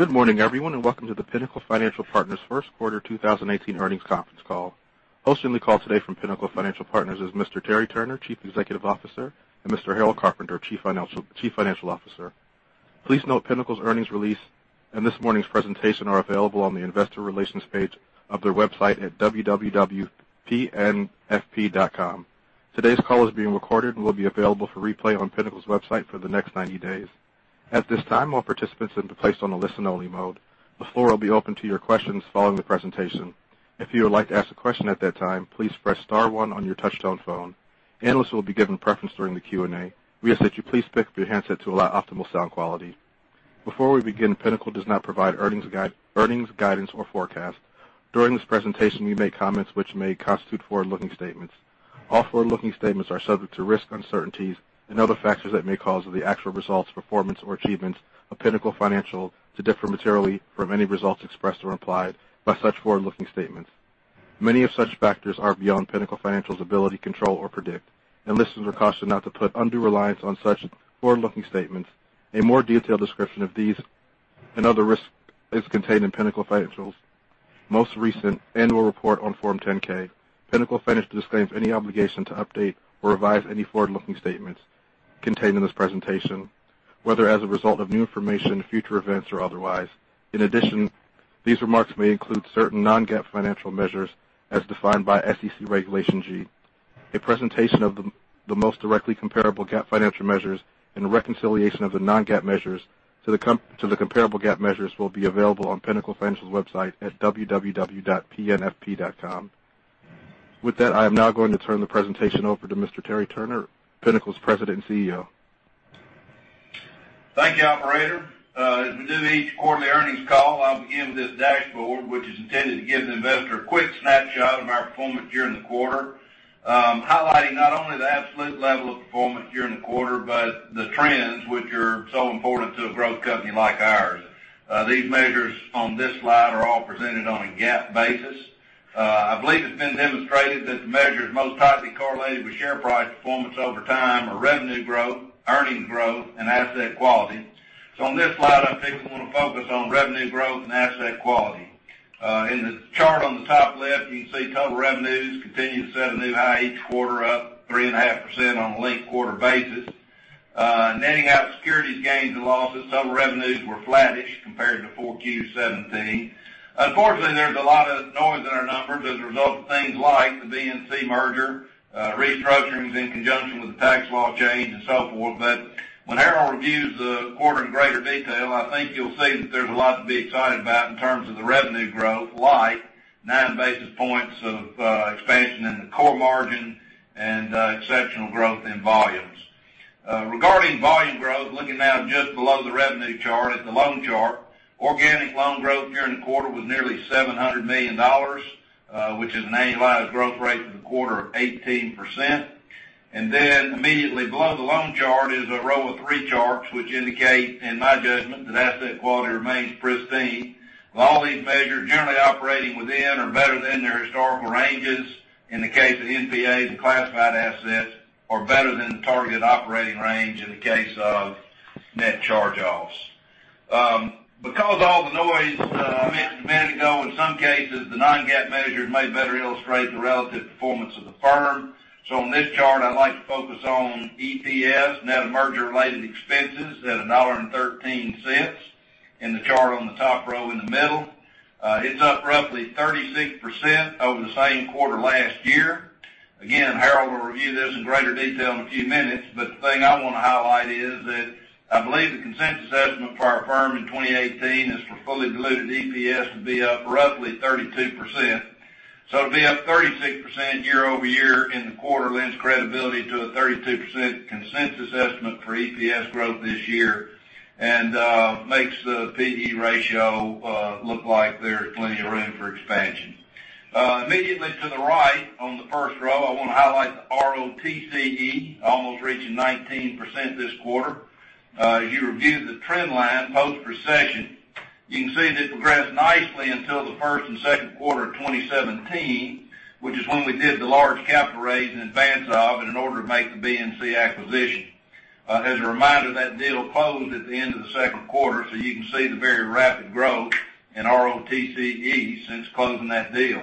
Good morning, everyone, welcome to the Pinnacle Financial Partners first quarter 2018 earnings conference call. Hosting the call today from Pinnacle Financial Partners is Mr. Terry Turner, Chief Executive Officer, and Mr. Harold Carpenter, Chief Financial Officer. Please note Pinnacle's earnings release and this morning's presentation are available on the investor relations page of their website at www.pnfp.com. Today's call is being recorded and will be available for replay on Pinnacle's website for the next 90 days. At this time, all participants have been placed on a listen-only mode. The floor will be open to your questions following the presentation. If you would like to ask a question at that time, please press star one on your touch-tone phone. Analysts will be given preference during the Q&A. We ask that you please pick up your handset to allow optimal sound quality. Before we begin, Pinnacle does not provide earnings guidance or forecast. During this presentation, we make comments which may constitute forward-looking statements. All forward-looking statements are subject to risks, uncertainties, and other factors that may cause the actual results, performance, or achievements of Pinnacle Financial to differ materially from any results expressed or implied by such forward-looking statements. Many of such factors are beyond Pinnacle Financial's ability, control, or prediction, listeners are cautioned not to put undue reliance on such forward-looking statements. A more detailed description of these and other risks is contained in Pinnacle Financial's most recent annual report on Form 10-K. Pinnacle Financial disclaims any obligation to update or revise any forward-looking statements contained in this presentation, whether as a result of new information, future events, or otherwise. In addition, these remarks may include certain non-GAAP financial measures as defined by SEC Regulation G. A presentation of the most directly comparable GAAP financial measures and a reconciliation of the non-GAAP measures to the comparable GAAP measures will be available on Pinnacle Financial's website at www.pnfp.com. With that, I am now going to turn the presentation over to Mr. Terry Turner, Pinnacle's President and CEO. Thank you, operator. As we do each quarterly earnings call, I'll begin with this dashboard, which is intended to give the investor a quick snapshot of our performance during the quarter, highlighting not only the absolute level of performance during the quarter but the trends, which are so important to a growth company like ours. These measures on this slide are all presented on a GAAP basis. I believe it's been demonstrated that the measures most tightly correlated with share price performance over time are revenue growth, earnings growth, and asset quality. On this slide, I think we want to focus on revenue growth and asset quality. In the chart on the top left, you can see total revenues continue to set a new high each quarter, up 3.5% on a linked quarter basis. Netting out securities gains and losses, total revenues were flattish compared to 4Q17. Unfortunately, there's a lot of noise in our numbers as a result of things like the BNC merger, restructurings in conjunction with the Tax Act change, and so forth. When Harold reviews the quarter in greater detail, I think you'll see that there's a lot to be excited about in terms of the revenue growth, like nine basis points of expansion in the core margin and exceptional growth in volumes. Regarding volume growth, looking now just below the revenue chart at the loan chart, organic loan growth during the quarter was nearly $700 million, which is an annualized growth rate for the quarter of 18%. Immediately below the loan chart is a row of three charts, which indicate, in my judgment, that asset quality remains pristine, with all these measures generally operating within or better than their historical ranges. In the case of NPAs and classified assets, or better than the target operating range in the case of net charge-offs. Because of all the noise I mentioned a minute ago, in some cases, the non-GAAP measures may better illustrate the relative performance of the firm. On this chart, I'd like to focus on EPS. Net of merger-related expenses at $1.13 in the chart on the top row in the middle. It's up roughly 36% over the same quarter last year. Harold will review this in greater detail in a few minutes, the thing I want to highlight is that I believe the consensus estimate for our firm in 2018 is for fully diluted EPS to be up roughly 32%. To be up 36% year-over-year in the quarter lends credibility to a 32% consensus estimate for EPS growth this year and makes the P/E ratio look like there is plenty of room for expansion. Immediately to the right on the first row, I want to highlight the ROTCE almost reaching 19% this quarter. If you review the trend line post-recession, you can see that it progressed nicely until the first and second quarter of 2017, which is when we did the large capital raise in advance of and in order to make the BNC acquisition. As a reminder, that deal closed at the end of the second quarter, you can see the very rapid growth in ROTCE since closing that deal.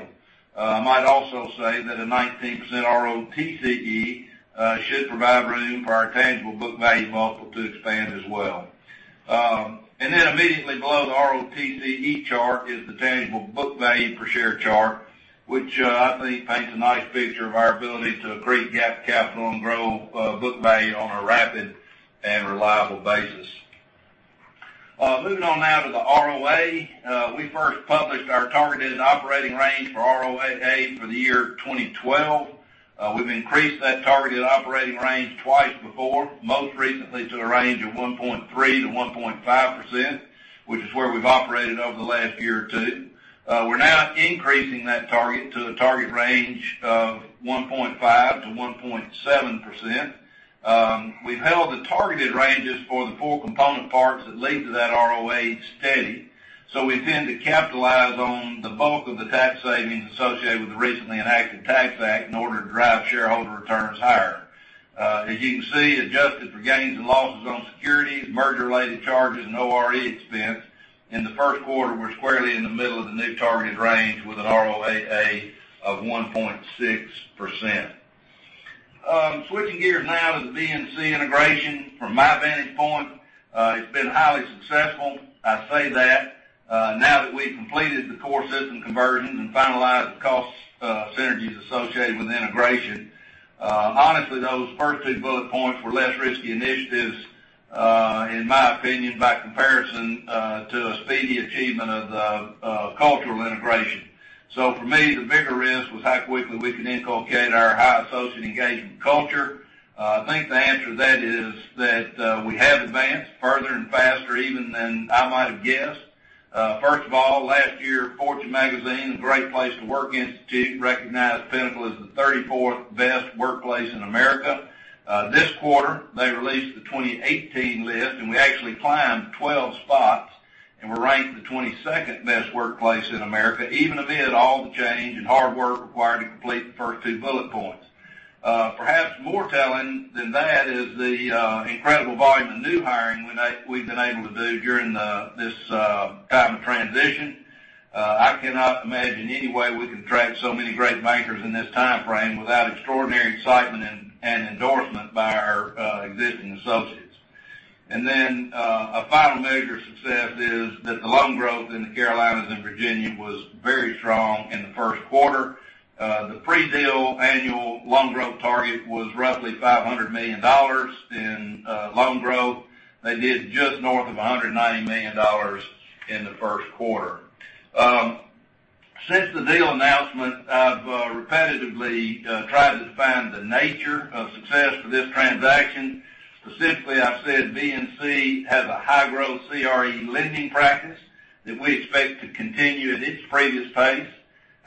I might also say that a 19% ROTCE should provide room for our tangible book value multiple to expand as well. Immediately below the ROTCE chart is the tangible book value per share chart, which I think paints a nice picture of our ability to accrete GAAP capital and grow book value on a rapid and reliable basis. Moving on now to the ROA. We first published our targeted operating range for ROA for the year 2012. We've increased that targeted operating range twice before, most recently to a range of 1.3%-1.5%, which is where we've operated over the last year or two. We're now increasing that target to the target range of 1.5%-1.7%. We've held the targeted ranges for the four component parts that lead to that ROA steady. We intend to capitalize on the bulk of the tax savings associated with the recently enacted Tax Act in order to drive shareholder returns higher. As you can see, adjusted for gains and losses on securities, merger-related charges, and ORE expense, in the first quarter, we're squarely in the middle of the new targeted range with an ROAA of 1.6%. Switching gears now to the BNC integration. From my vantage point, it's been highly successful. I say that now that we've completed the core system conversions and finalized the cost synergies associated with integration. Honestly, those first two bullet points were less risky initiatives, in my opinion, by comparison to a speedy achievement of the cultural integration. For me, the bigger risk was how quickly we can inculcate our high associate engagement culture. I think the answer to that is that we have advanced further and faster even than I might have guessed. First of all, last year, Fortune magazine, the Great Place to Work Institute, recognized Pinnacle as the 34th best workplace in America. This quarter, they released the 2018 list, and we actually climbed 12 spots, and we're ranked the 22nd best workplace in America, even amid all the change and hard work required to complete the first two bullet points. Perhaps more telling than that is the incredible volume of new hiring we've been able to do during this time of transition. I cannot imagine any way we can attract so many great bankers in this timeframe without extraordinary excitement and endorsement by our existing associates. A final measure of success is that the loan growth in the Carolinas and Virginia was very strong in the first quarter. The pre-deal annual loan growth target was roughly $500 million in loan growth. They did just north of $190 million in the first quarter. Since the deal announcement, I've repetitively tried to define the nature of success for this transaction. Specifically, I've said BNC has a high-growth CRE lending practice that we expect to continue at its previous pace.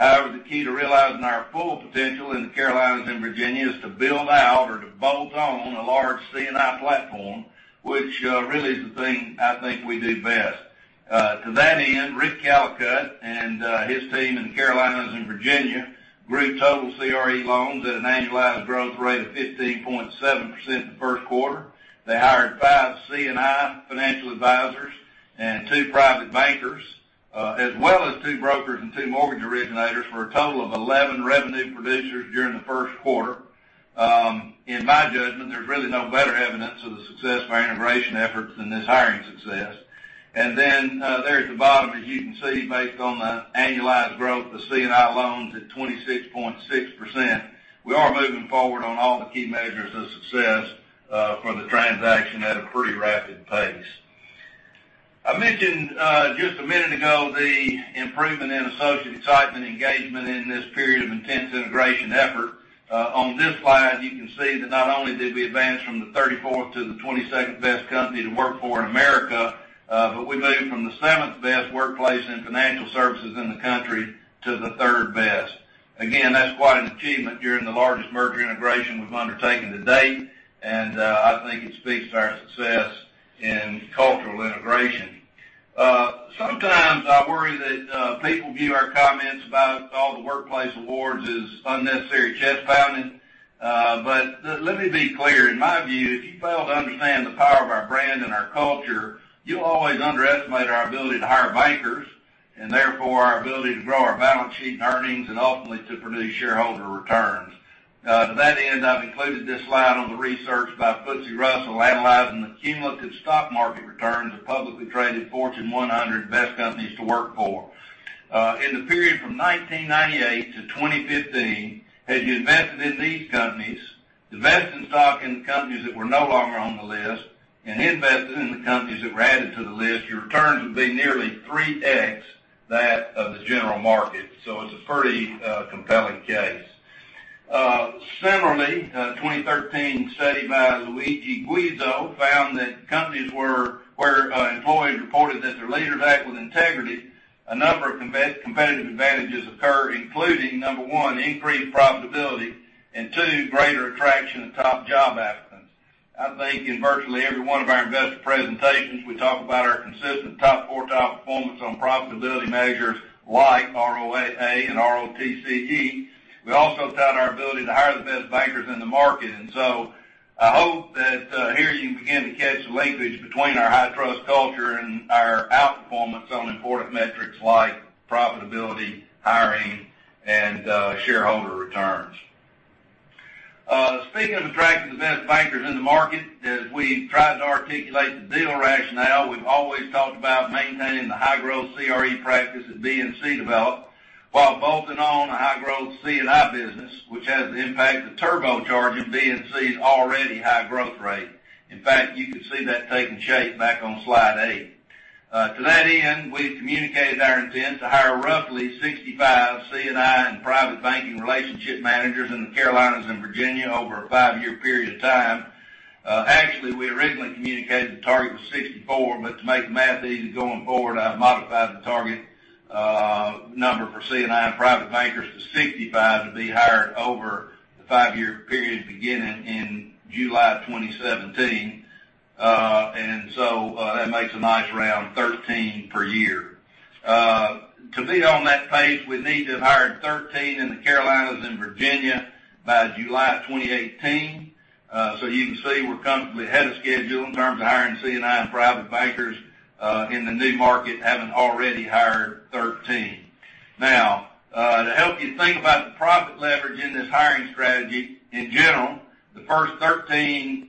However, the key to realizing our full potential in the Carolinas and Virginia is to build out or to bolt on a large C&I platform, which really is the thing I think we do best. To that end, Rick Callicutt and his team in the Carolinas and Virginia grew total CRE loans at an annualized growth rate of 15.7% in the first quarter. They hired five C&I financial advisors and two private bankers, as well as two brokers and two mortgage originators for a total of 11 revenue producers during the first quarter. In my judgment, there's really no better evidence of the success of our integration efforts than this hiring success. There at the bottom, as you can see, based on the annualized growth of C&I loans at 26.6%, we are moving forward on all the key measures of success for the transaction at a pretty rapid pace. I mentioned just a minute ago the improvement in associate excitement engagement in this period of intense integration effort. On this slide, you can see that not only did we advance from the 34th to the 22nd best company to work for in America, but we moved from the seventh best workplace in financial services in the country to the third best. That's quite an achievement during the largest merger integration we've undertaken to date, and I think it speaks to our success in cultural integration. Sometimes I worry that people view our comments about all the workplace awards as unnecessary chest-thumping. Let me be clear. In my view, if you fail to understand the power of our brand and our culture, you'll always underestimate our ability to hire bankers and therefore our ability to grow our balance sheet and earnings, and ultimately to produce shareholder returns. To that end, I've included this slide on the research by FTSE Russell analyzing the cumulative stock market returns of publicly traded Fortune 100 best companies to work for. In the period from 1998 to 2015, had you invested in these companies, invested in stock in the companies that were no longer on the list and invested in the companies that were added to the list, your returns would be nearly 3x that of the general market. It's a pretty compelling case. Similarly, a 2013 study by Luigi Guiso found that companies where employees reported that their leaders act with integrity, a number of competitive advantages occur, including, number one, increased profitability, and two, greater attraction of top job applicants. I think in virtually every one of our investor presentations, we talk about our consistent top quartile performance on profitability measures like ROAA and ROTCE. We also tout our ability to hire the best bankers in the market. I hope that here you can begin to catch the linkage between our high trust culture and our outperformance on important metrics like profitability, hiring, and shareholder returns. Speaking of attracting the best bankers in the market, as we tried to articulate the deal rationale, we've always talked about maintaining the high-growth CRE practice that BNC developed while bolting on a high-growth C&I business, which has the impact of turbocharging BNC's already high growth rate. In fact, you could see that taking shape back on slide eight. To that end, we've communicated our intent to hire roughly 65 C&I and private banking relationship managers in the Carolinas and Virginia over a five-year period of time. Actually, we originally communicated the target was 64, to make the math easy going forward, I modified the target number for C&I private bankers to 65 to be hired over the five-year period beginning in July 2017. That makes a nice round 13 per year. To be on that pace, we need to have hired 13 in the Carolinas and Virginia by July of 2018. You can see we're comfortably ahead of schedule in terms of hiring C&I and private bankers in the new market, having already hired 13. Now, to help you think about the profit leverage in this hiring strategy, in general, the first 13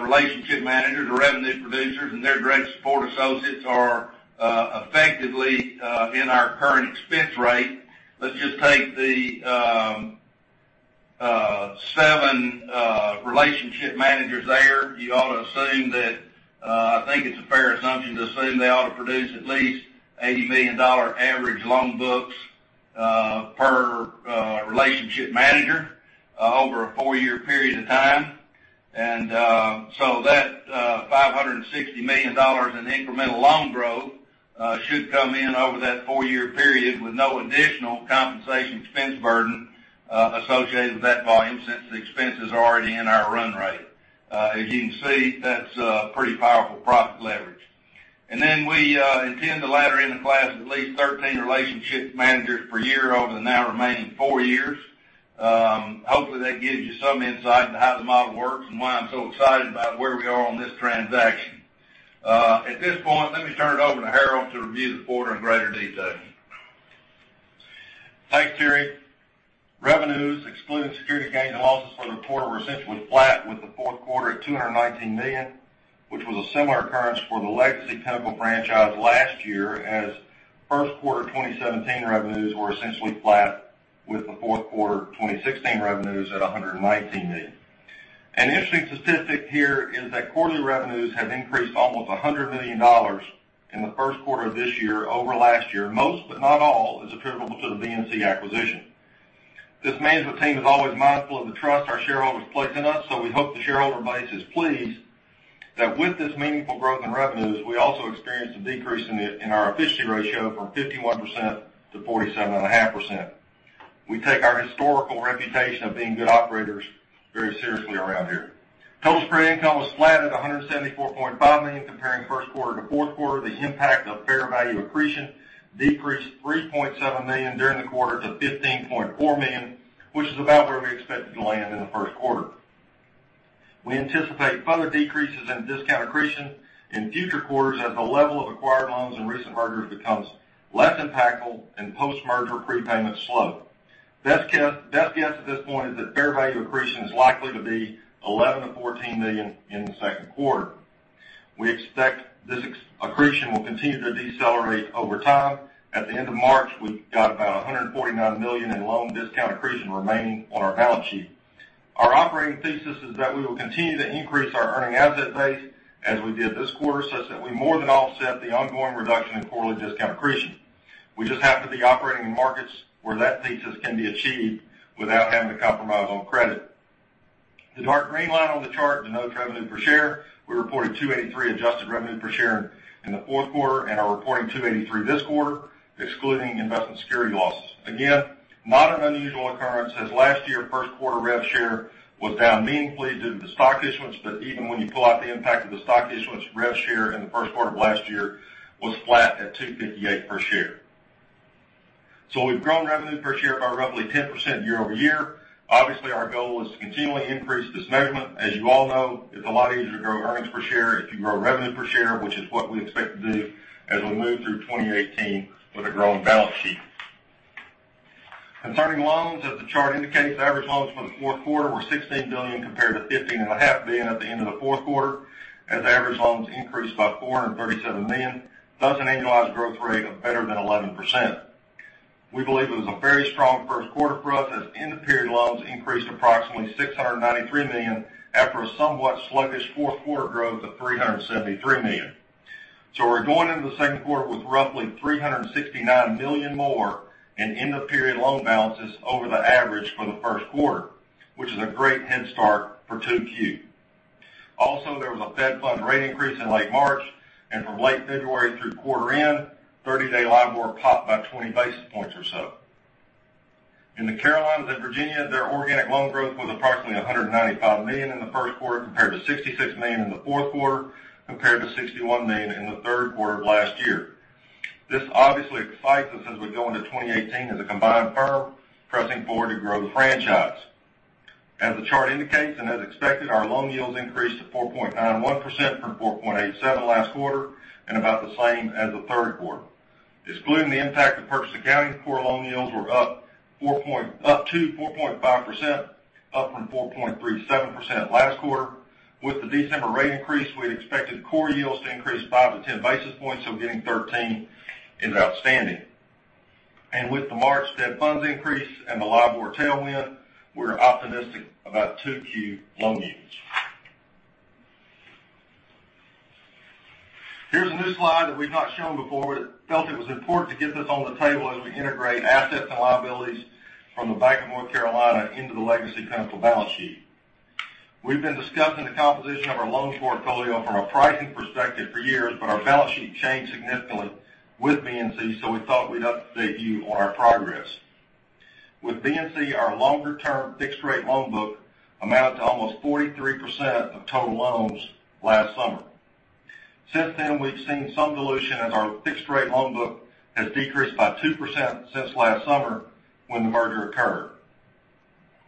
relationship managers or revenue producers and their direct support associates are effectively in our current expense rate. Let's just take the seven relationship managers there. You ought to assume that. I think it's a fair assumption to assume they ought to produce at least $80 million average loan books per relationship manager over a four-year period of time. That $560 million in incremental loan growth should come in over that four-year period with no additional compensation expense burden associated with that volume since the expense is already in our run rate. You can see, that's a pretty powerful profit leverage. We intend to ladder in a class of at least 13 relationship managers per year over the now remaining four years. Hopefully, that gives you some insight into how the model works and why I'm so excited about where we are on this transaction. At this point, let me turn it over to Harold to review the quarter in greater detail. Thanks, Terry. Revenues, excluding security gains and losses for the quarter, were essentially flat with the fourth quarter at $219 million, which was a similar occurrence for the legacy Pinnacle franchise last year as first quarter 2017 revenues were essentially flat with the fourth quarter 2016 revenues at $119 million. An interesting statistic here is that quarterly revenues have increased almost $100 million in the first quarter of this year over last year. Most but not all is attributable to the BNC acquisition. This management team is always mindful of the trust our shareholders place in us. We hope the shareholder base is pleased that with this meaningful growth in revenues, we also experienced a decrease in our efficiency ratio from 51% to 47.5%. We take our historical reputation of being good operators very seriously around here. Total spread income was flat at $174.5 million comparing first quarter to fourth quarter. The impact of fair value accretion decreased $3.7 million during the quarter to $15.4 million, which is about where we expected to land in the first quarter. We anticipate further decreases in discount accretion in future quarters as the level of acquired loans and recent mergers becomes less impactful and post-merger prepayments slow. Best guess at this point is that fair value accretion is likely to be $11 million to $14 million in the second quarter. We expect this accretion will continue to decelerate over time. At the end of March, we've got about $149 million in loan discount accretion remaining on our balance sheet. Our operating thesis is that we will continue to increase our earning asset base as we did this quarter, such that we more than offset the ongoing reduction in quarterly discount accretion. We just have to be operating in markets where that thesis can be achieved without having to compromise on credit. The dark green line on the chart denotes revenue per share. We reported $283 adjusted revenue per share in the fourth quarter and are reporting $283 this quarter, excluding investment security losses. Not an unusual occurrence as last year first quarter rev share was down meaningfully due to the stock issuance. Even when you pull out the impact of the stock issuance, rev share in the first quarter of last year was flat at $258 per share. We've grown revenue per share by roughly 10% year-over-year. Our goal is to continually increase this measurement. As you all know, it's a lot easier to grow earnings per share if you grow revenue per share, which is what we expect to do as we move through 2018 with a growing balance sheet. Concerning loans, as the chart indicates, average loans for the fourth quarter were $16 billion compared to $15.5 billion at the end of the fourth quarter, as average loans increased by $437 million, thus an annualized growth rate of better than 11%. We believe it was a very strong first quarter for us as end-of-period loans increased approximately $693 million after a somewhat sluggish fourth quarter growth of $373 million. We're going into the second quarter with roughly $369 million more in end-of-period loan balances over the average for the first quarter, which is a great head start for 2Q. There was a Fed Funds rate increase in late March, and from late February through quarter end, 30-day LIBOR popped by 20 basis points or so. In the Carolinas and Virginia, their organic loan growth was approximately $195 million in the first quarter compared to $66 million in the fourth quarter, compared to $61 million in the third quarter of last year. This obviously excites us as we go into 2018 as a combined firm pressing forward to grow the franchise. As the chart indicates, and as expected, our loan yields increased to 4.91% from 4.87% last quarter and about the same as the third quarter. Excluding the impact of purchase accounting, core loan yields were up to 4.5%, up from 4.37% last quarter. With the December rate increase, we had expected core yields to increase 5-10 basis points, so getting 13 is outstanding. With the March Fed Funds increase and the LIBOR tailwind, we're optimistic about 2Q loan yields. Here's a new slide that we've not shown before. We felt it was important to get this on the table as we integrate assets and liabilities from the Bank of North Carolina into the Legacy Pinnacle balance sheet. We've been discussing the composition of our loan portfolio from a pricing perspective for years, but our balance sheet changed significantly with BNC, so we thought we'd update you on our progress. With BNC, our longer-term fixed rate loan book amounted to almost 43% of total loans last summer. Since then, we've seen some dilution as our fixed rate loan book has decreased by 2% since last summer when the merger occurred.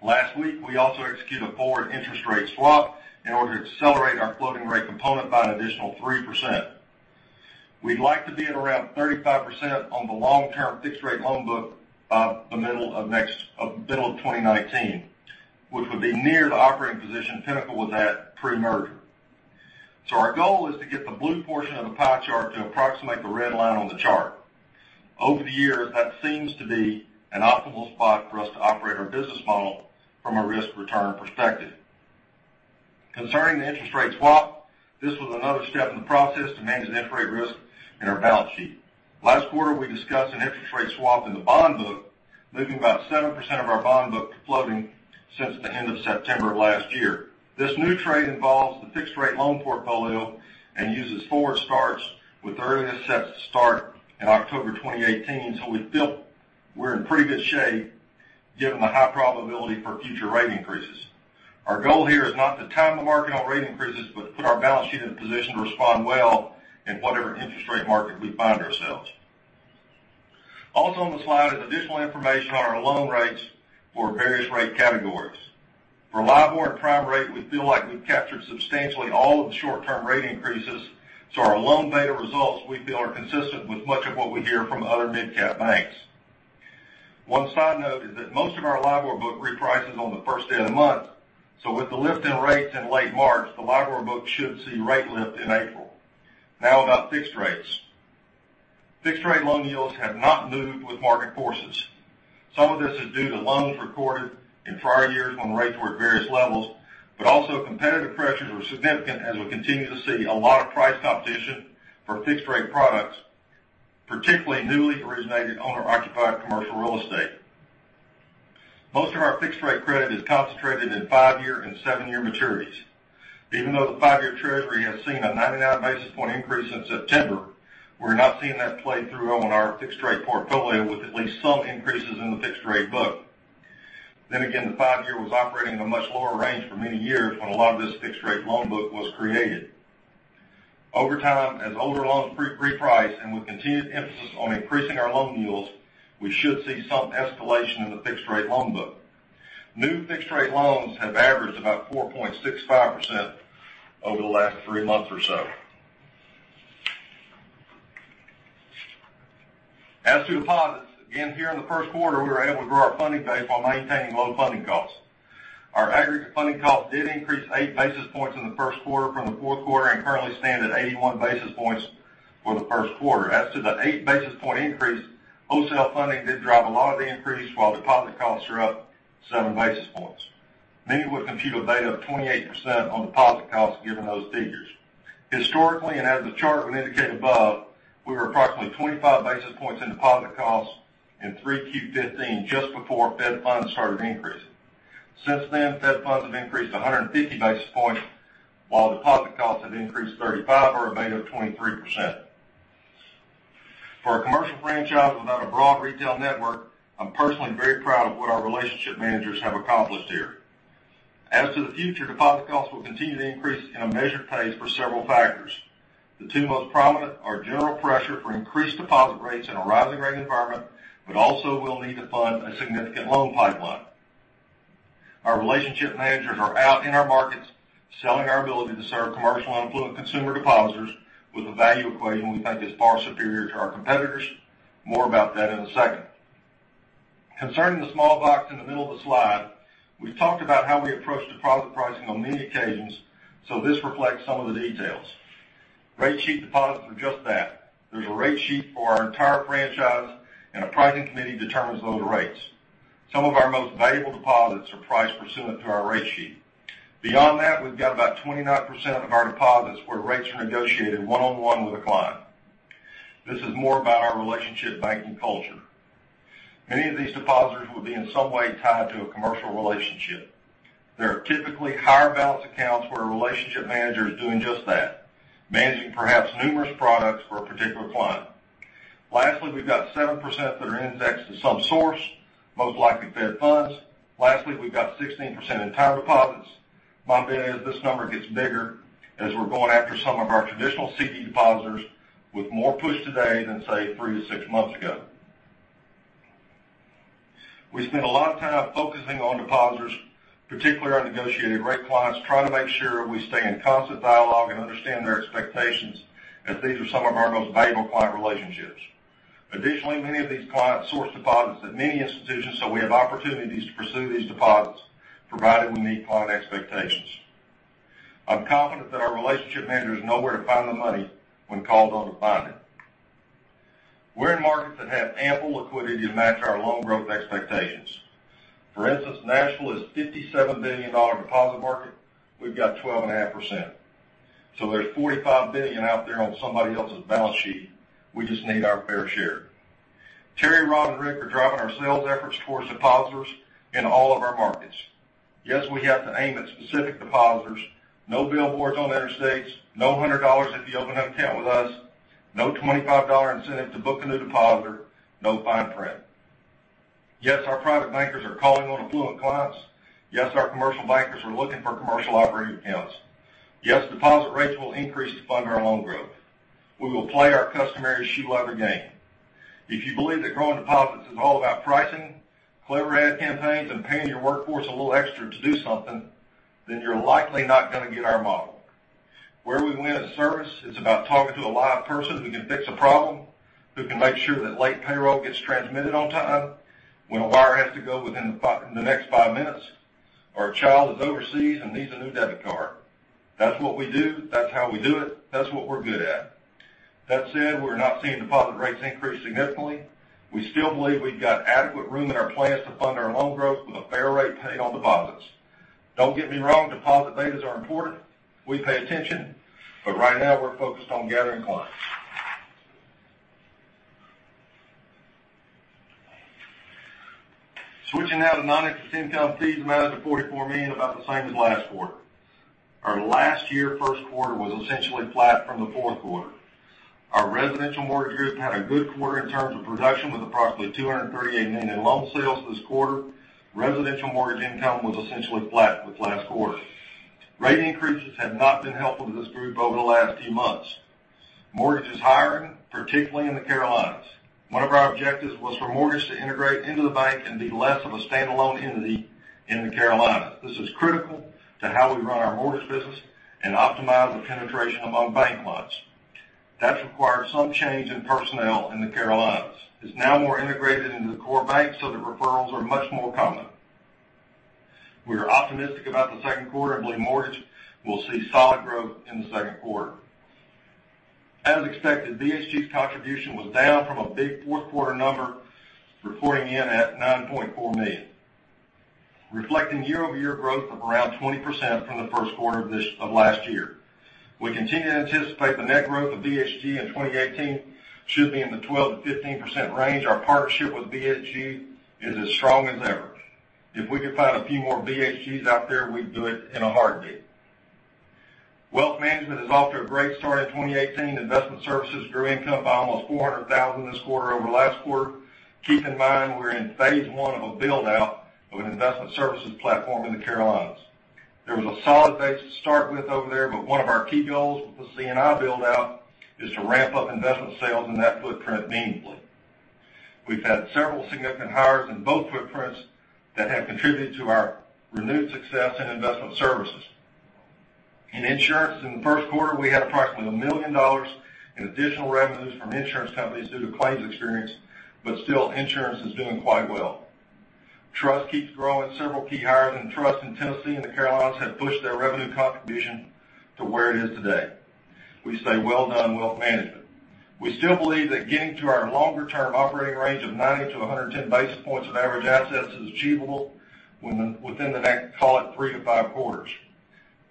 Last week, we also executed a forward interest rate swap in order to accelerate our floating rate component by an additional 3%. We'd like to be at around 35% on the long-term fixed rate loan book by the middle of 2019, which would be near the operating position Pinnacle was at pre-merger. Our goal is to get the blue portion of the pie chart to approximate the red line on the chart. Over the years, that seems to be an optimal spot for us to operate our business model from a risk-return perspective. Concerning the interest rate swap, this was another step in the process to manage the interest rate risk in our balance sheet. Last quarter, we discussed an interest rate swap in the bond book, moving about 7% of our bond book to floating since the end of September of last year. This new trade involves the fixed rate loan portfolio and uses forward starts with the earliest set to start in October 2018. We feel we're in pretty good shape given the high probability for future rate increases. Our goal here is not to time the market on rate increases, but put our balance sheet in a position to respond well in whatever interest rate market we find ourselves. Also on the slide is additional information on our loan rates for various rate categories. For LIBOR and prime rate, we feel like we've captured substantially all of the short-term rate increases, our loan beta results, we feel, are consistent with much of what we hear from other mid-cap banks. One side note is that most of our LIBOR book reprices on the first day of the month, with the lift in rates in late March, the LIBOR book should see rate lift in April. About fixed rates. Fixed rate loan yields have not moved with market forces. Some of this is due to loans recorded in prior years when rates were at various levels, also competitive pressures were significant as we continue to see a lot of price competition for fixed rate products, particularly newly originated owner-occupied commercial real estate. Most of our fixed rate credit is concentrated in five-year and seven-year maturities. Even though the 5-year Treasury has seen a 99 basis point increase since September, we're not seeing that play through on our fixed rate portfolio with at least some increases in the fixed rate book. Again, the 5-year was operating in a much lower range for many years when a lot of this fixed rate loan book was created. Over time, as older loans reprice and with continued emphasis on increasing our loan yields, we should see some escalation in the fixed rate loan book. New fixed rate loans have averaged about 4.65% over the last three months or so. As to deposits, again, here in the first quarter, we were able to grow our funding base while maintaining low funding costs. Our aggregate funding cost did increase eight basis points in the first quarter from the fourth quarter and currently stand at 81 basis points for the first quarter. As to the eight basis point increase, wholesale funding did drive a lot of the increase while deposit costs are up seven basis points. Many would compute a beta of 28% on deposit costs given those figures. Historically, and as the chart would indicate above, we were approximately 25 basis points in deposit costs in 3Q15 just before Fed Funds started increasing. Since then, Fed Funds have increased 150 basis points while deposit costs have increased 35 for a beta of 23%. For a commercial franchise without a broad retail network, I'm personally very proud of what our relationship managers have accomplished here. As to the future, deposit costs will continue to increase in a measured pace for several factors. The two most prominent are general pressure for increased deposit rates in a rising rate environment, also we'll need to fund a significant loan pipeline. Our relationship managers are out in our markets selling our ability to serve commercial and affluent consumer depositors with a value equation we think is far superior to our competitors. More about that in a second. Concerning the small box in the middle of the slide, we've talked about how we approach deposit pricing on many occasions, this reflects some of the details. Rate sheet deposits are just that. There is a rate sheet for our entire franchise, and a pricing committee determines those rates. Some of our most valuable deposits are priced pursuant to our rate sheet. Beyond that, we've got about 29% of our deposits where rates are negotiated one-on-one with a client. This is more about our relationship banking culture. Many of these depositors will be in some way tied to a commercial relationship. They are typically higher balance accounts where a relationship manager is doing just that, managing perhaps numerous products for a particular client. Lastly, we've got 7% that are indexed to some source, most likely Fed funds. Lastly, we've got 16% in time deposits. My bet is this number gets bigger as we're going after some of our traditional CD depositors with more push today than, say, three to six months ago. We spend a lot of time focusing on depositors, particularly our negotiated rate clients, trying to make sure we stay in constant dialogue and understand their expectations, as these are some of our most valuable client relationships. Additionally, many of these clients source deposits at many institutions, so we have opportunities to pursue these deposits, provided we meet client expectations. I'm confident that our relationship managers know where to find the money when called on to find it. We're in markets that have ample liquidity to match our loan growth expectations. For instance, Nashville is a $57 billion deposit market. We've got 12.5%. There's $45 billion out there on somebody else's balance sheet. We just need our fair share. Terry, Rob, and Rick are driving our sales efforts towards depositors in all of our markets. Yes, we have to aim at specific depositors. No billboards on the interstates, no $100 if you open up an account with us, no $25 incentive to book a new depositor, no fine print. Yes, our private bankers are calling on affluent clients. Yes, our commercial bankers are looking for commercial operating accounts. Yes, deposit rates will increase to fund our loan growth. We will play our customary shoe leather game. If you believe that growing deposits is all about pricing, clever ad campaigns, and paying your workforce a little extra to do something, then you're likely not going to get our model. Where we win is service. It's about talking to a live person who can fix a problem, who can make sure that late payroll gets transmitted on time, when a wire has to go within the next five minutes, or a child is overseas and needs a new debit card. That's what we do. That's how we do it. That's what we're good at. That said, we're not seeing deposit rates increase significantly. We still believe we've got adequate room in our plans to fund our loan growth with a fair rate paid on deposits. Don't get me wrong, deposit betas are important. We pay attention, but right now we're focused on gathering clients. Switching now to non-interest income, fees amounted to $44 million, about the same as last quarter. Our last year first quarter was essentially flat from the fourth quarter. Our residential mortgage group had a good quarter in terms of production, with approximately $238 million in loan sales this quarter. Residential mortgage income was essentially flat with last quarter. Rate increases have not been helpful to this group over the last few months. Mortgage is hiring, particularly in the Carolinas. One of our objectives was for mortgage to integrate into the bank and be less of a standalone entity in the Carolinas. This is critical to how we run our mortgage business and optimize the penetration of our bank loans. That's required some change in personnel in the Carolinas. It's now more integrated into the core bank, the referrals are much more common. We are optimistic about the second quarter and believe mortgage will see solid growth in the second quarter. As expected, BHG's contribution was down from a big fourth quarter number, reporting in at $9.4 million, reflecting year-over-year growth of around 20% from the first quarter of last year. We continue to anticipate the net growth of BHG in 2018 should be in the 12%-15% range. Our partnership with BHG is as strong as ever. If we could find a few more BHGs out there, we'd do it in a heartbeat. Wealth management is off to a great start in 2018. Investment services grew income by almost $400,000 this quarter over last quarter. Keep in mind we're in phase 1 of a build-out of an investment services platform in the Carolinas. There was a solid base to start with over there, one of our key goals with the C&I build-out is to ramp up investment sales in that footprint meaningfully. We've had several significant hires in both footprints that have contributed to our renewed success in investment services. In insurance in the first quarter, we had approximately $1 million in additional revenues from insurance companies due to claims experience, still, insurance is doing quite well. Trust keeps growing. Several key hires in trust in Tennessee and the Carolinas have pushed their revenue contribution to where it is today. We say well done, wealth management. We still believe that getting to our longer-term operating range of 90 to 110 basis points of average assets is achievable within the next, call it three to five quarters.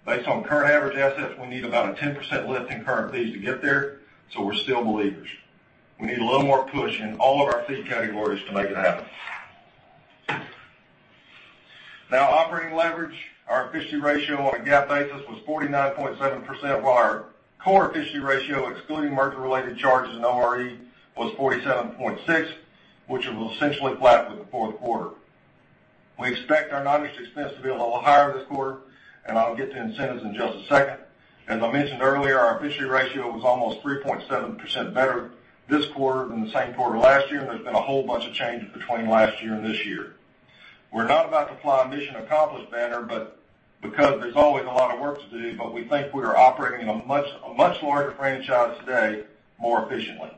Based on current average assets, we need about a 10% lift in current fees to get there, we're still believers. We need a little more push in all of our fee categories to make it happen. Now, operating leverage. Our efficiency ratio on a GAAP basis was 49.7%, while our core efficiency ratio, excluding merger-related charges and ORE, was 47.6%, which was essentially flat with the fourth quarter. We expect our non-interest expense to be a little higher this quarter, I'll get to incentives in just a second. As I mentioned earlier, our efficiency ratio was almost 3.7% better this quarter than the same quarter last year, there's been a whole bunch of changes between last year and this year. We're not about to fly a mission accomplished banner, there's always a lot of work to do, we think we are operating a much larger franchise today more efficiently.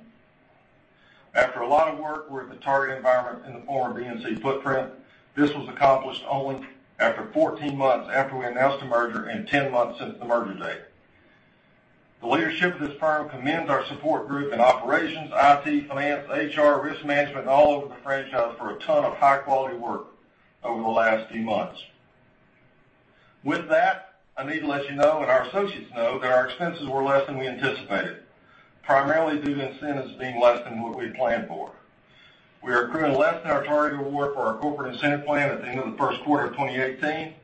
After a lot of work, we're at the target environment in the former BNC footprint. This was accomplished only after 14 months after we announced the merger and 10 months since the merger date. The leadership of this firm commends our support group in operations, IT, finance, HR, risk management, all over the franchise for a ton of high-quality work over the last few months. With that, I need to let you know and our associates know that our expenses were less than we anticipated, primarily due to incentives being less than what we planned for. We are accruing less than our target award for our corporate incentive plan at the end of the first quarter of 2018.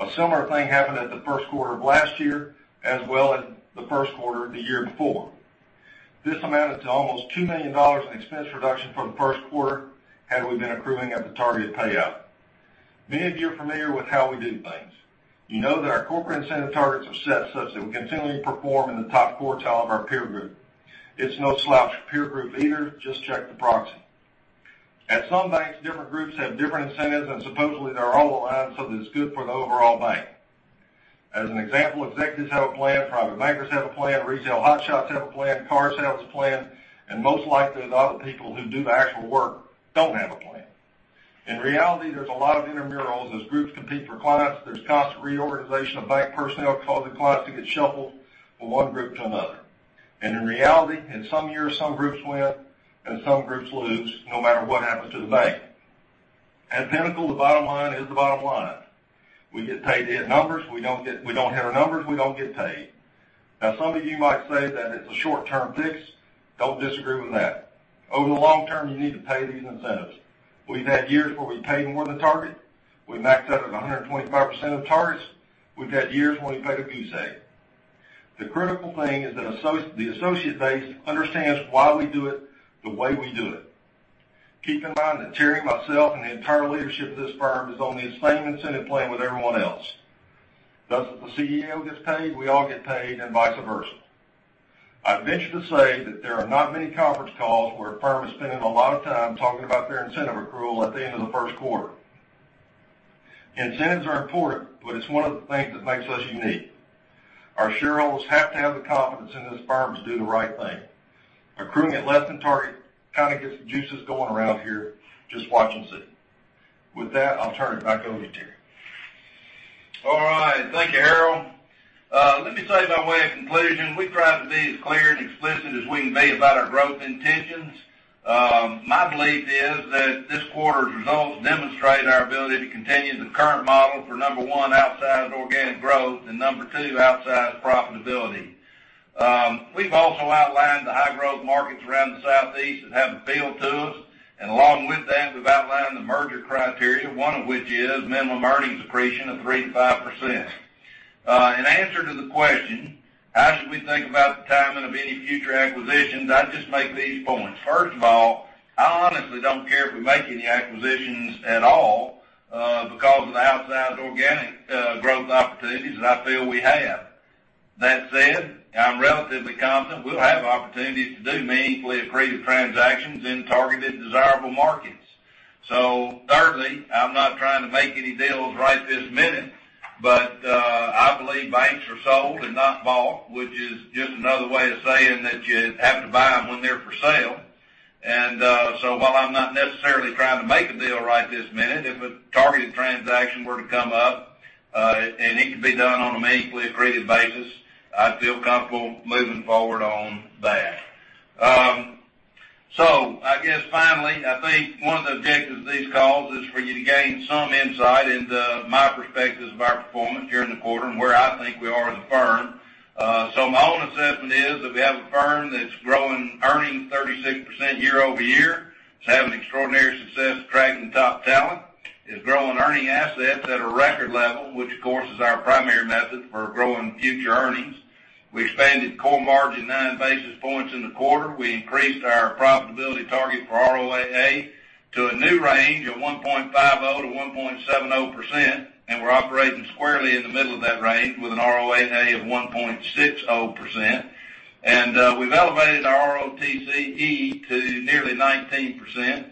A similar thing happened at the first quarter of last year, as well as the first quarter the year before. This amounted to almost $2 million in expense reduction for the first quarter had we been accruing at the targeted payout. Many of you are familiar with how we do things. You know that our corporate incentive targets are set such that we continually perform in the top quartile of our peer group. It's no slouch of a peer group either, just check the proxy. At some banks, different groups have different incentives, supposedly they're all aligned so that it's good for the overall bank. As an example, executives have a plan, private bankers have a plan, retail hotshots have a plan, card sales have a plan, most likely, the other people who do the actual work don't have a plan. In reality, there's a lot of intramurals. As groups compete for clients, there's constant reorganization of bank personnel, causing clients to get shuffled from one group to another. In reality, in some years, some groups win and some groups lose, no matter what happens to the bank. At Pinnacle, the bottom line is the bottom line. We get paid to hit numbers. We don't hit our numbers, we don't get paid. Now, some of you might say that it's a short-term fix. Don't disagree with that. Over the long term, you need to pay these incentives. We've had years where we paid more than target. We maxed out at 125% of targets. We've had years when we paid a pittance. The critical thing is that the associate base understands why we do it the way we do it. Keep in mind that Terry, myself, and the entire leadership of this firm is on the same incentive plan with everyone else, thus if the CEO gets paid, we all get paid, and vice versa. I'd venture to say that there are not many conference calls where a firm is spending a lot of time talking about their incentive accrual at the end of the first quarter. Incentives are important, it's one of the things that makes us unique. Our shareholders have to have the confidence in this firm to do the right thing. Accruing at less than target kind of gets the juices going around here. Just watch and see. With that, I'll turn it back over to Terry. All right. Thank you, Harold. Let me say by way of conclusion, we try to be as clear and explicit as we can be about our growth intentions. My belief is that this quarter's results demonstrate our ability to continue the current model for number one, outside organic growth, and number two, outside profitability. We've also outlined the high-growth markets around the Southeast that have appeal to us, and along with that, we've outlined the merger criteria, one of which is minimum earnings accretion of 3%-5%. In answer to the question, how should we think about the timing of any future acquisitions? I'd just make these points. First of all, I honestly don't care if we make any acquisitions at all because of the outside organic growth opportunities that I feel we have. That said, I'm relatively confident we'll have opportunities to do meaningfully accretive transactions in targeted, desirable markets. Thirdly, I'm not trying to make any deals right this minute, I believe banks are sold and not bought, which is just another way of saying that you have to buy them when they're for sale. While I'm not necessarily trying to make a deal right this minute, if a targeted transaction were to come up and it could be done on a meaningfully accretive basis, I'd feel comfortable moving forward on that. I guess finally, I think one of the objectives of these calls is for you to gain some insight into my perspectives of our performance during the quarter and where I think we are as a firm. My own assessment is that we have a firm that's growing earnings 36% year-over-year, is having extraordinary success attracting top talent, is growing earning assets at a record level, which, of course, is our primary method for growing future earnings. We expanded core margin 9 basis points in the quarter. We increased our profitability target for ROAA to a new range of 1.50%-1.70%, and we're operating squarely in the middle of that range with an ROAA of 1.60%. We've elevated our ROTCE to nearly 19%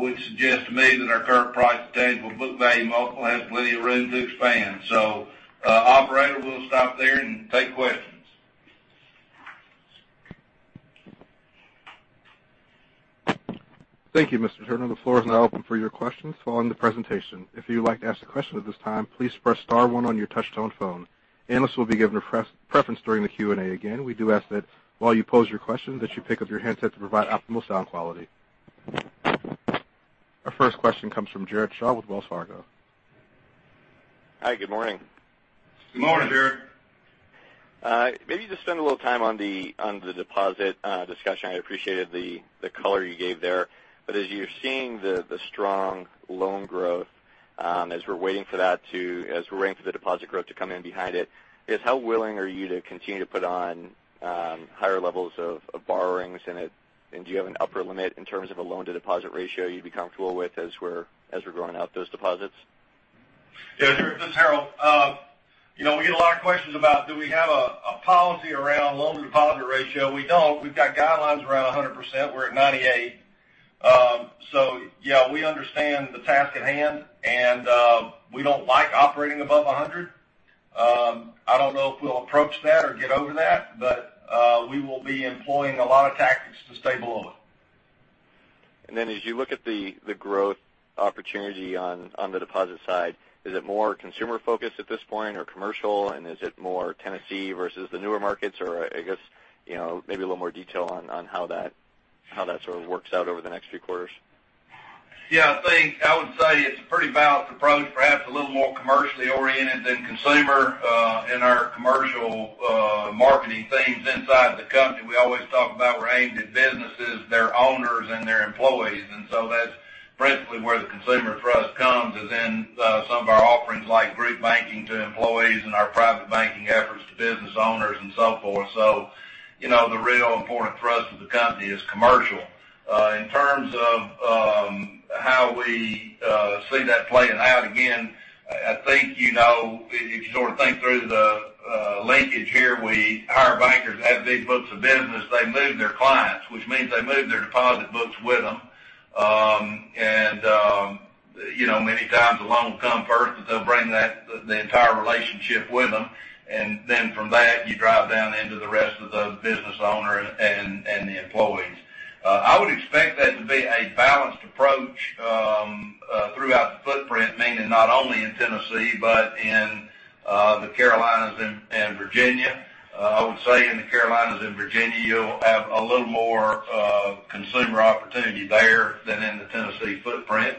which suggests to me that our current price to tangible book value multiple has plenty of room to expand. Operator, we'll stop there and take questions. Thank you, Mr. Turner. The floor is now open for your questions following the presentation. If you would like to ask a question at this time, please press star one on your touch-tone phone. Analysts will be given preference during the Q&A. Again, we do ask that while you pose your question, that you pick up your handset to provide optimal sound quality. Our first question comes from Jared Shaw with Wells Fargo. Hi. Good morning. Good morning, Jared. Maybe just spend a little time on the deposit discussion. I appreciated the color you gave there. As you're seeing the strong loan growth, as we're waiting for the deposit growth to come in behind it, how willing are you to continue to put on higher levels of borrowings, and do you have an upper limit in terms of a loan-to-deposit ratio you'd be comfortable with as we're growing out those deposits? Yeah, Jared, this is Harold. We get a lot of questions about do we have a policy around loan-to-deposit ratio. We don't. We've got guidelines around 100%. We're at 98. Yeah, we understand the task at hand, and we don't like operating above 100. I don't know if we'll approach that or get over that, we will be employing a lot of tactics to stay below it. As you look at the growth opportunity on the deposit side, is it more consumer focused at this point or commercial, and is it more Tennessee versus the newer markets, or I guess maybe a little more detail on how that sort of works out over the next few quarters? Yeah, I think I would say it's a pretty balanced approach, perhaps a little more commercially oriented than consumer. In our commercial marketing themes inside the company, we always talk about we're aimed at businesses, their owners, and their employees, and that's principally where the consumer thrust comes is in some of our offerings like group banking to employees and our private banking efforts to business owners and so forth. The real important thrust of the company is commercial. In terms of how we see that playing out, again, I think if you sort of think through the linkage here, our bankers have these books of business. They move their clients, which means they move their deposit books with them. Many times, a loan will come first, but they'll bring the entire relationship with them, and then from that, you drive down into the rest of the business owner and the employees. I would expect that to be a balanced approach throughout the footprint, meaning not only in Tennessee but in the Carolinas and Virginia. I would say in the Carolinas and Virginia, you'll have a little more consumer opportunity there than in the Tennessee footprint.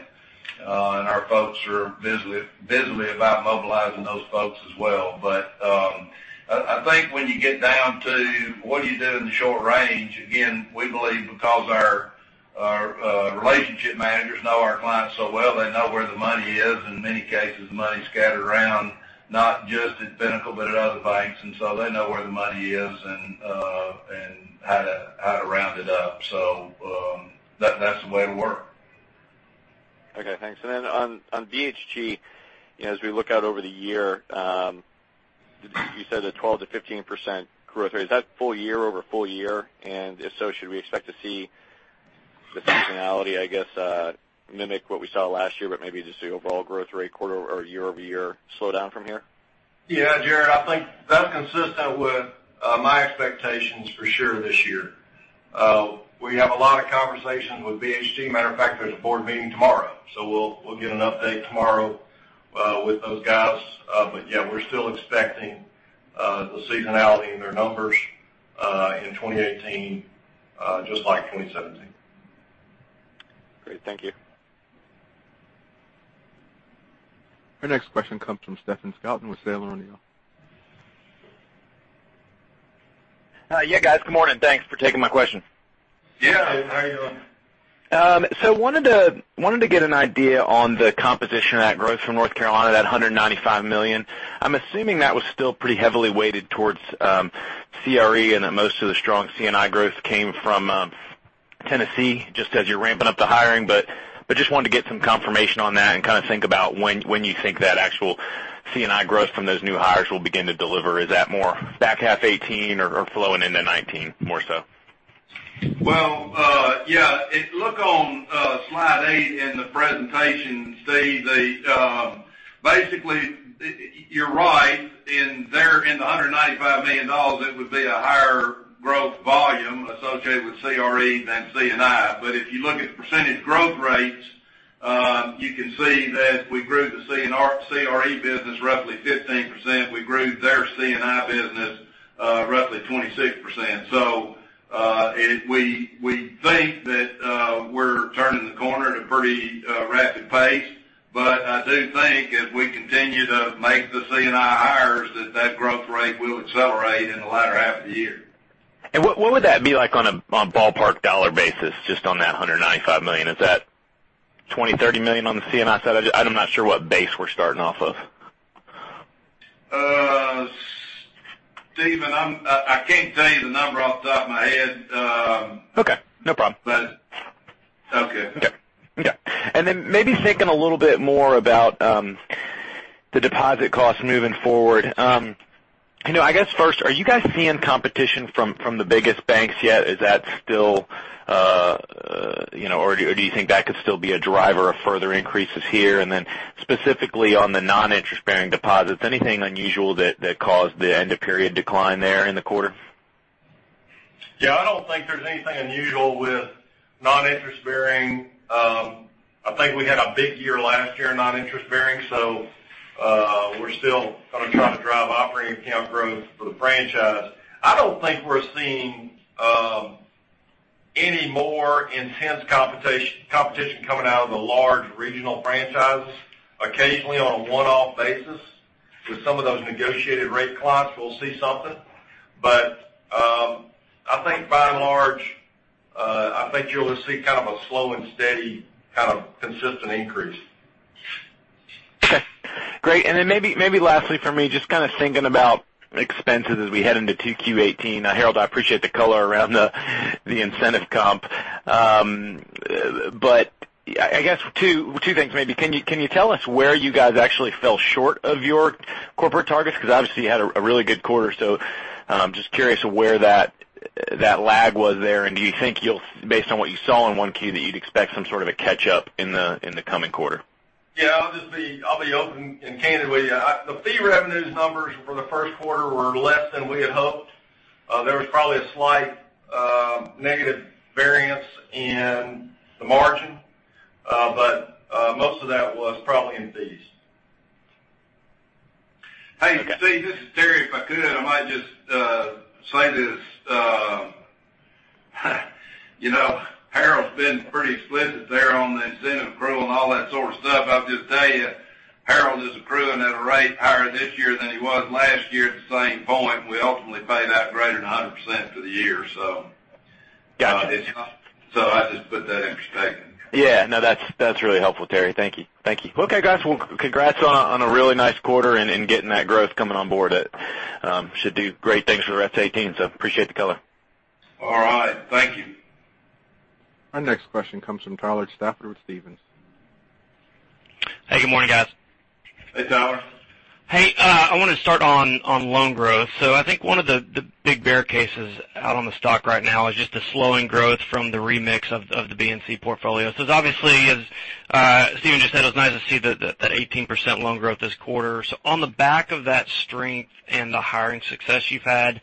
Our folks are busily about mobilizing those folks as well. I think when you get down to what do you do in the short range, again, we believe because our relationship managers know our clients so well, they know where the money is, in many cases, the money's scattered around, not just at Pinnacle, but at other banks. They know where the money is and how to round it up. That's the way it work. Okay, thanks. On BHG, as we look out over the year, you said the 12%-15% growth rate. Is that full year over full year? If so, should we expect to see the seasonality, I guess, mimic what we saw last year, but maybe just the overall growth rate or year-over-year slow down from here? Yeah, Jared, I think that's consistent with my expectations for sure this year. We have a lot of conversations with BHG. Matter of fact, there's a board meeting tomorrow, so we'll get an update tomorrow with those guys. Yeah, we're still expecting the seasonality in their numbers, in 2018, just like 2017. Great. Thank you. Our next question comes from Stephen Scouten with Sandler O'Neill. Hi. Yeah, guys, good morning. Thanks for taking my question. Yeah. How are you doing? Wanted to get an idea on the composition of that growth from North Carolina, that $195 million. I'm assuming that was still pretty heavily weighted towards CRE and that most of the strong C&I growth came from Tennessee, just as you're ramping up the hiring. Just wanted to get some confirmation on that and kind of think about when you think that actual C&I growth from those new hires will begin to deliver. Is that more back half 2018 or flowing into 2019 more so? Well, yeah, if you look on slide eight in the presentation, Stephen, basically you're right. In the $195 million, it would be a higher growth volume associated with CRE than C&I. If you look at the percentage growth rates, you can see that we grew the CRE business roughly 15%. We grew their C&I business roughly 26%. We think that we're turning the corner at a pretty rapid pace, but I do think if we continue to make the C&I hires, that that growth rate will accelerate in the latter half of the year. What would that be like on a ballpark dollar basis, just on that $195 million? Is that $20 million, $30 million on the C&I side? I'm not sure what base we're starting off of. Stephen, I can't tell you the number off the top of my head. Okay, no problem. Okay. Okay. Then maybe thinking a little bit more about the deposit costs moving forward. I guess first, are you guys seeing competition from the biggest banks yet? Or do you think that could still be a driver of further increases here? Then specifically on the non-interest bearing deposits, anything unusual that caused the end of period decline there in the quarter? Yeah, I don't think there's anything unusual with non-interest bearing. I think we had a big year last year in non-interest bearing, so we're still going to try to drive operating account growth for the franchise. I don't think we're seeing any more intense competition coming out of the large regional franchises. Occasionally, on a one-off basis, with some of those negotiated rate clients, we'll see something. I think by and large, I think you'll see a slow and steady kind of consistent increase. Okay, great. Maybe lastly from me, just kind of thinking about expenses as we head into 2Q 2018. Harold, I appreciate the color around the incentive comp. I guess two things maybe. Can you tell us where you guys actually fell short of your corporate targets? Because obviously you had a really good quarter, so just curious where that lag was there, and do you think based on what you saw in 1Q, that you'd expect some sort of a catch up in the coming quarter? Yeah, I'll be open and candid with you. The fee revenues numbers for the first quarter were less than we had hoped. There was probably a slight negative variance in the margin. Most of that was probably in fees. Hey, Stephen, this is Terry. If I could, I might just say this. Harold's been pretty explicit there on the incentive accrual and all that sort of stuff. I'll just tell you, Harold is accruing at a rate higher this year than he was last year at the same point, and we ultimately pay that greater than 100% for the year. Gotcha. I just put that in perspective. Yeah, no, that's really helpful, Terry. Thank you. Okay guys. Congrats on a really nice quarter and getting that growth coming on board. It should do great things for the rest of 2018, appreciate the color. All right. Thank you. Our next question comes from Tyler Stafford with Stephens. Hey, good morning, guys. Hey, Tyler. Hey, I want to start on loan growth. I think one of the big bear cases out on the stock right now is just the slowing growth from the remix of the BNC portfolio. Obviously, as Stephen just said, it was nice to see that 18% loan growth this quarter. On the back of that strength and the hiring success you've had,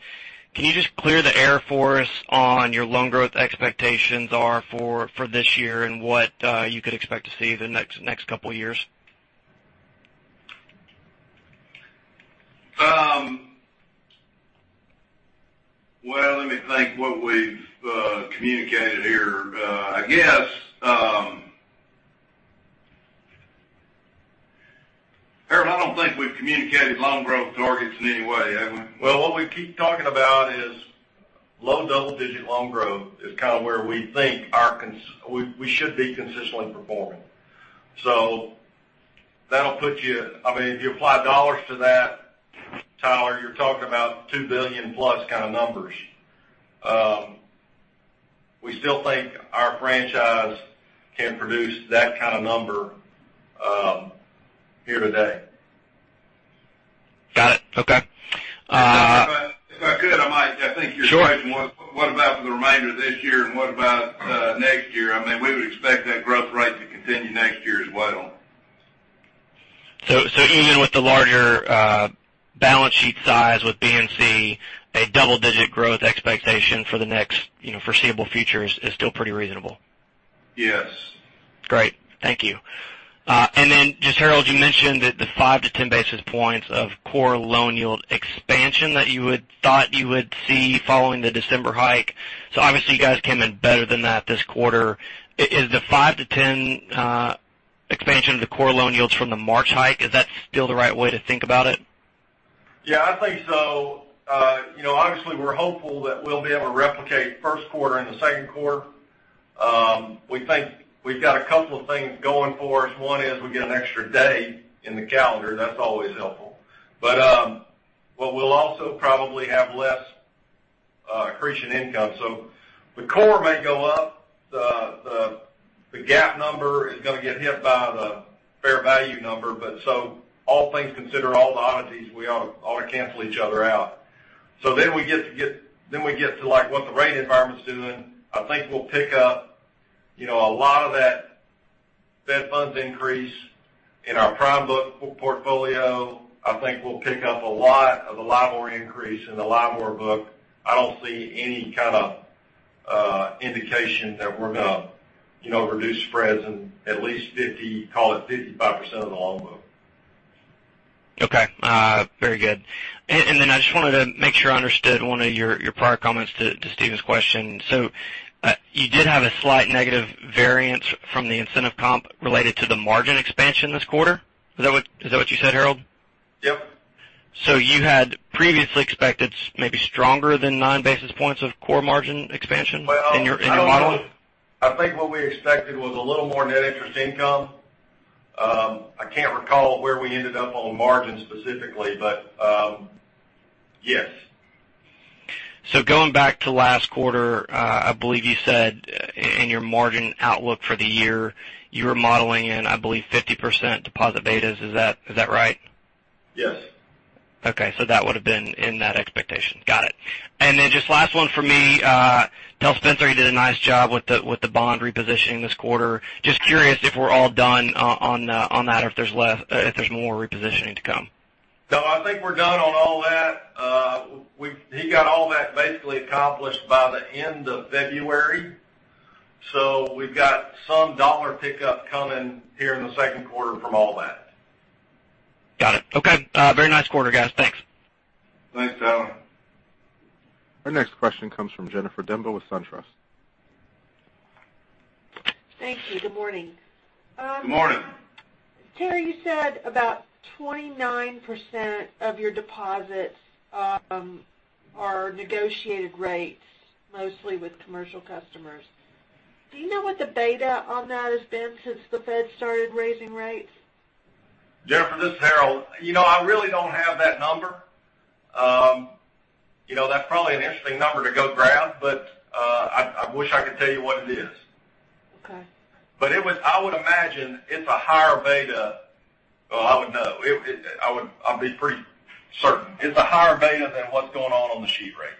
can you just clear the air for us on your loan growth expectations are for this year and what you could expect to see the next couple years? Well, let me think what we've communicated here. Harold, I don't think we've communicated loan growth targets in any way, have we? Well, what we keep talking about is low double-digit loan growth is where we think we should be consistently performing. If you apply dollars to that, Tyler, you're talking about $2 billion plus kind of numbers. We still think our franchise can produce that kind of number here today. Got it. Okay. If I could, I think your question was what about for the remainder of this year and what about next year? We would expect that growth rate to continue next year as well. Even with the larger balance sheet size with BNC, a double-digit growth expectation for the next foreseeable future is still pretty reasonable. Yes. Great. Thank you. Harold, you mentioned that the 5-10 basis points of core loan yield expansion that you would thought you would see following the December hike. Obviously you guys came in better than that this quarter. Is the 5-10 expansion of the core loan yields from the March hike, is that still the right way to think about it? Yeah, I think so. Obviously, we're hopeful that we'll be able to replicate first quarter in the second quarter. We think we've got a couple of things going for us. One is we get an extra day in the calendar, that's always helpful. We'll also probably have less accretion income. The core may go up, the GAAP number is going to get hit by the fair value number. All things considered, all the oddities, we ought to cancel each other out. We get to what the rate environment's doing. I think we'll pick up a lot of that Fed Funds increase in our prime book portfolio. I think we'll pick up a lot of the LIBOR increase in the LIBOR book. I don't see any kind of indication that we're going to reduce spreads in at least 50%, call it 55% of the loan book. Okay. Very good. I just wanted to make sure I understood one of your prior comments to Stephen's question. You did have a slight negative variance from the incentive comp related to the margin expansion this quarter. Is that what you said, Harold? Yep. You had previously expected maybe stronger than nine basis points of core margin expansion in your model? I think what we expected was a little more net interest income. I can't recall where we ended up on margin specifically, but yes. Going back to last quarter, I believe you said in your margin outlook for the year, you were modeling in, I believe, 50% deposit betas. Is that right? Yes. That would have been in that expectation. Got it. Just last one for me, tell Spencer you did a nice job with the bond repositioning this quarter. Just curious if we're all done on that or if there's more repositioning to come. I think we're done on all that. He got all that basically accomplished by the end of February, we've got some dollar pickup coming here in the second quarter from all that. Got it. Very nice quarter, guys. Thanks. Thanks, Tyler. Our next question comes from Jennifer Demba with SunTrust. Thank you. Good morning. Good morning. Terry, you said about 29% of your deposits are negotiated rates, mostly with commercial customers. Do you know what the beta on that has been since the Fed started raising rates? Jennifer, this is Harold. I really don't have that number. That's probably an interesting number to go grab, I wish I could tell you what it is. Okay. I would imagine it's a higher beta. Well, I would know. I'll be pretty certain. It's a higher beta than what's going on the sheet rates.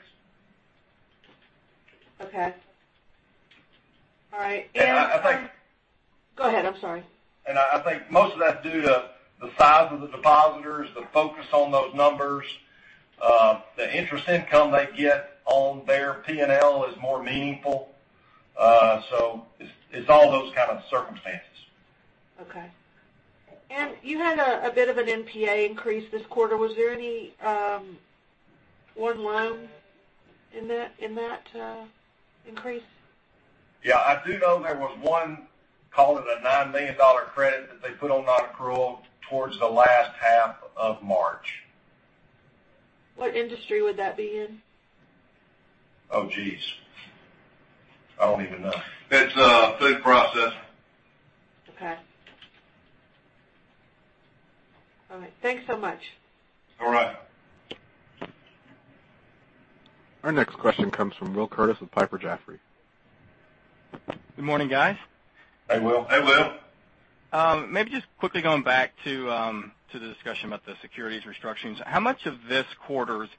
Okay. All right. I think. Go ahead, I'm sorry. I think most of that's due to the size of the depositors, the focus on those numbers, the interest income they get on their P&L is more meaningful. It's all those kind of circumstances. Okay. You had a bit of an NPA increase this quarter. Was there any one loan in that increase? Yeah, I do know there was one, call it a $9 million credit that they put on non-accrual towards the last half of March. What industry would that be in? Oh, geez. I don't even know. It's food processing. Okay. All right. Thanks so much. All right. Our next question comes from Will Curtiss with Piper Jaffray. Good morning, guys. Hey, Will. Maybe just quickly going back to the discussion about the securities restructurings. How much of this quarter's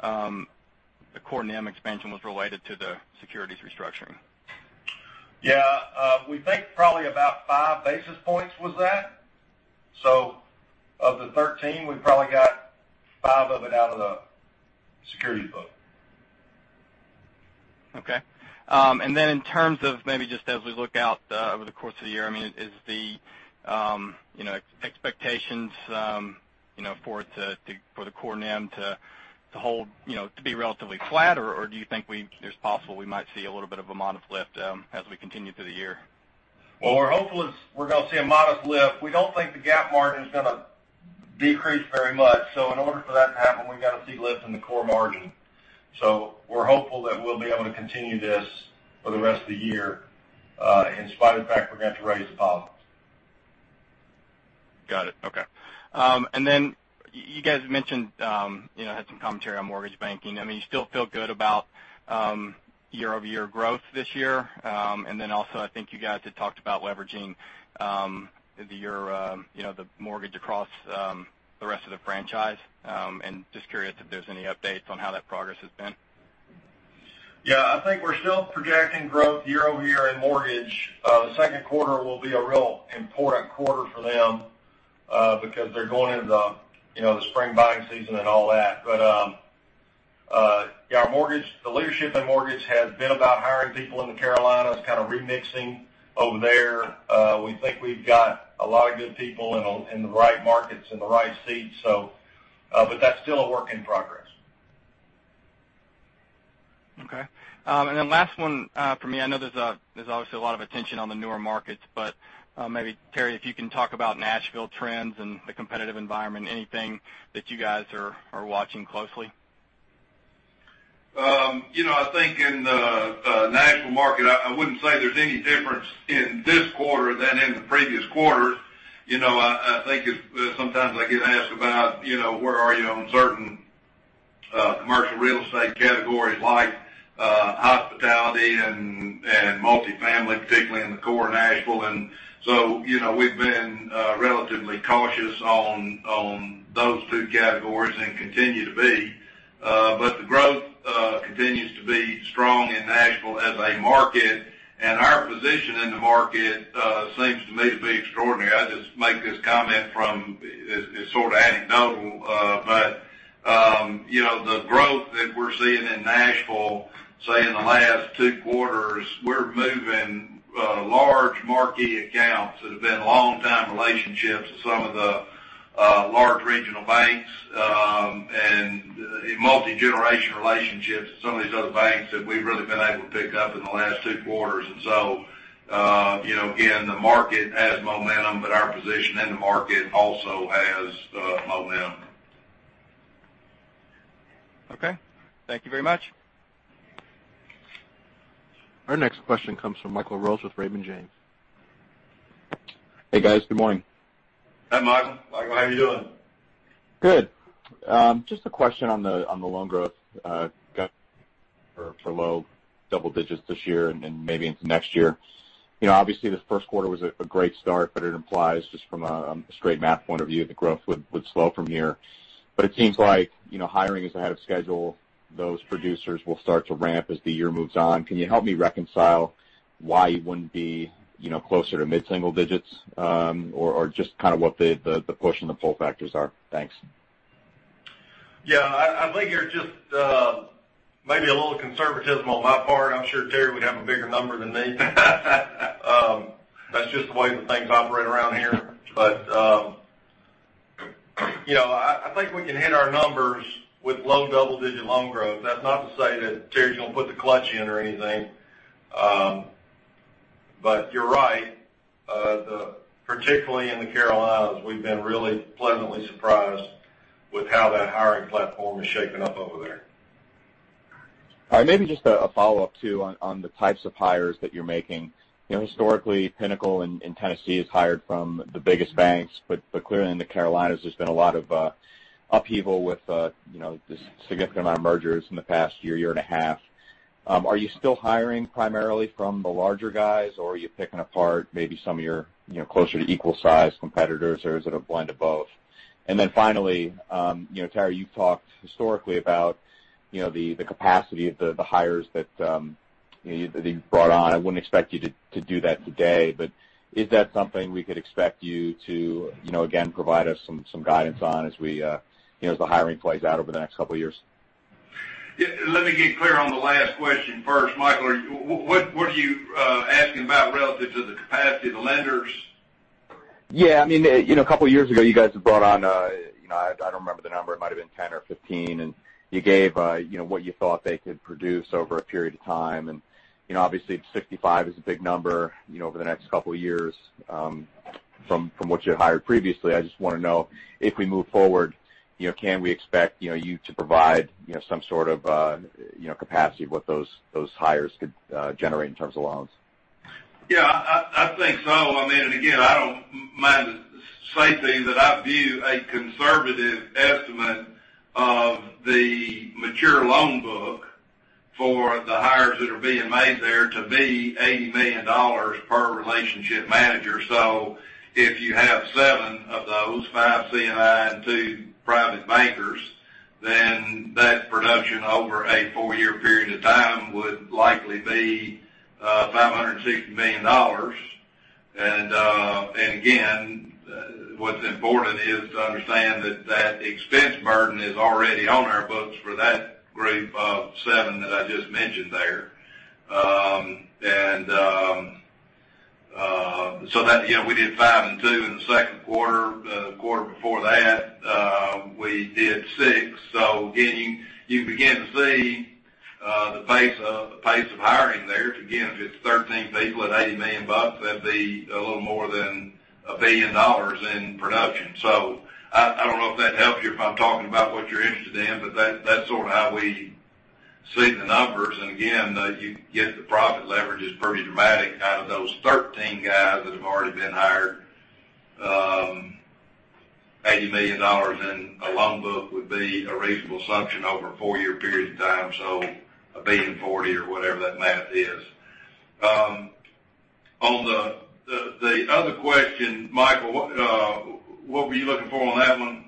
core NIM expansion was related to the securities restructuring? Yeah. We think probably about five basis points was that. Of the 13, we probably got five of it out of the securities book. Okay. In terms of maybe just as we look out over the course of the year, is the expectations for the core NIM to be relatively flat, or do you think it's possible we might see a little bit of a modest lift as we continue through the year? Our hope is we're going to see a modest lift. We don't think the GAAP margin's going to decrease very much. In order for that to happen, we've got to see lift in the core margin. We're hopeful that we'll be able to continue this for the rest of the year, in spite of the fact we're going to have to raise deposits. Got it. Okay. You guys mentioned, had some commentary on mortgage banking. You still feel good about year-over-year growth this year? Also, I think you guys had talked about leveraging the mortgage across the rest of the franchise. Just curious if there's any updates on how that progress has been. I think we're still projecting growth year-over-year in mortgage. The second quarter will be a real important quarter for them, because they're going into the spring buying season and all that. The leadership in mortgage has been about hiring people in the Carolinas, kind of remixing over there. We think we've got a lot of good people in the right markets, in the right seats, but that's still a work in progress. Okay. Last one for me, I know there's obviously a lot of attention on the newer markets, but maybe Terry, if you can talk about Nashville trends and the competitive environment, anything that you guys are watching closely. I think in the Nashville market, I wouldn't say there's any difference in this quarter than in the previous quarters. I think it's sometimes I get asked about where are you on certain commercial real estate categories like hospitality and multi-family, particularly in the core Nashville. We've been relatively cautious on those two categories and continue to be. The growth continues to be strong in Nashville as a market, and our position in the market seems to me to be extraordinary. I just make this comment from, it's sort of anecdotal, but the growth that we're seeing in Nashville, say in the last two quarters, we're moving large marquee accounts that have been longtime relationships with some of the large regional banks, and multi-generational relationships at some of these other banks that we've really been able to pick up in the last two quarters. Again, the market has momentum, but our position in the market also has momentum. Okay. Thank you very much. Our next question comes from Michael Rose with Raymond James. Hey, guys. Good morning. Hi, Michael. Michael, how are you doing? Good. Just a question on the loan growth, guys, for low double digits this year and maybe into next year. Obviously, this first quarter was a great start, it implies just from a straight math point of view, the growth would slow from here. It seems like hiring is ahead of schedule. Those producers will start to ramp as the year moves on. Can you help me reconcile why you wouldn't be closer to mid-single digits, or just kind of what the push and the pull factors are? Thanks. Yeah, I think you're just maybe a little conservatism on my part. I'm sure Terry would have a bigger number than me. That's just the way that things operate around here. I think we can hit our numbers with low double-digit loan growth. That's not to say that Terry's going to put the clutch in or anything. You're right. Particularly in the Carolinas, we've been really pleasantly surprised with how that hiring platform has shaken up over there. All right. Maybe just a follow-up too on the types of hires that you're making. Historically, Pinnacle in Tennessee has hired from the biggest banks, but clearly in the Carolinas, there's been a lot of upheaval with this significant amount of mergers in the past year and a half. Are you still hiring primarily from the larger guys, or are you picking apart maybe some of your closer to equal size competitors, or is it a blend of both? Finally, Terry, you've talked historically about the capacity of the hires that you've brought on. I wouldn't expect you to do that today, but is that something we could expect you to, again, provide us some guidance on as the hiring plays out over the next couple of years? Let me get clear on the last question first, Michael. What are you asking about relative to the capacity of the lenders? Yeah. A couple of years ago, you guys have brought on, I don't remember the number. It might've been 10 or 15, and you gave what you thought they could produce over a period of time, and obviously 65 is a big number over the next couple of years from what you had hired previously. I just want to know, if we move forward, can we expect you to provide some sort of capacity of what those hires could generate in terms of loans? Yeah, I think so. Again, I don't mind to say to you that I view a conservative estimate of the mature loan book for the hires that are being made there to be $80 million per relationship manager. If you have seven of those, five C&I and two private bankers, that production over a four-year period of time would likely be $560 million. Again, what's important is to understand that that expense burden is already on our books for that group of seven that I just mentioned there. That, we did five and two in the second quarter. The quarter before that, we did six. Again, you can begin to see the pace of hiring there. If it's 13 people at $80 million, that'd be a little more than $1 billion in production. I don't know if that helps you if I'm talking about what you're interested in, but that's sort of how we see the numbers. Again, you get the profit leverage is pretty dramatic out of those 13 guys that have already been hired. $80 million in a loan book would be a reasonable assumption over a four-year period of time, so $1 billion 40 or whatever that math is. On the other question, Michael, what were you looking for on that one?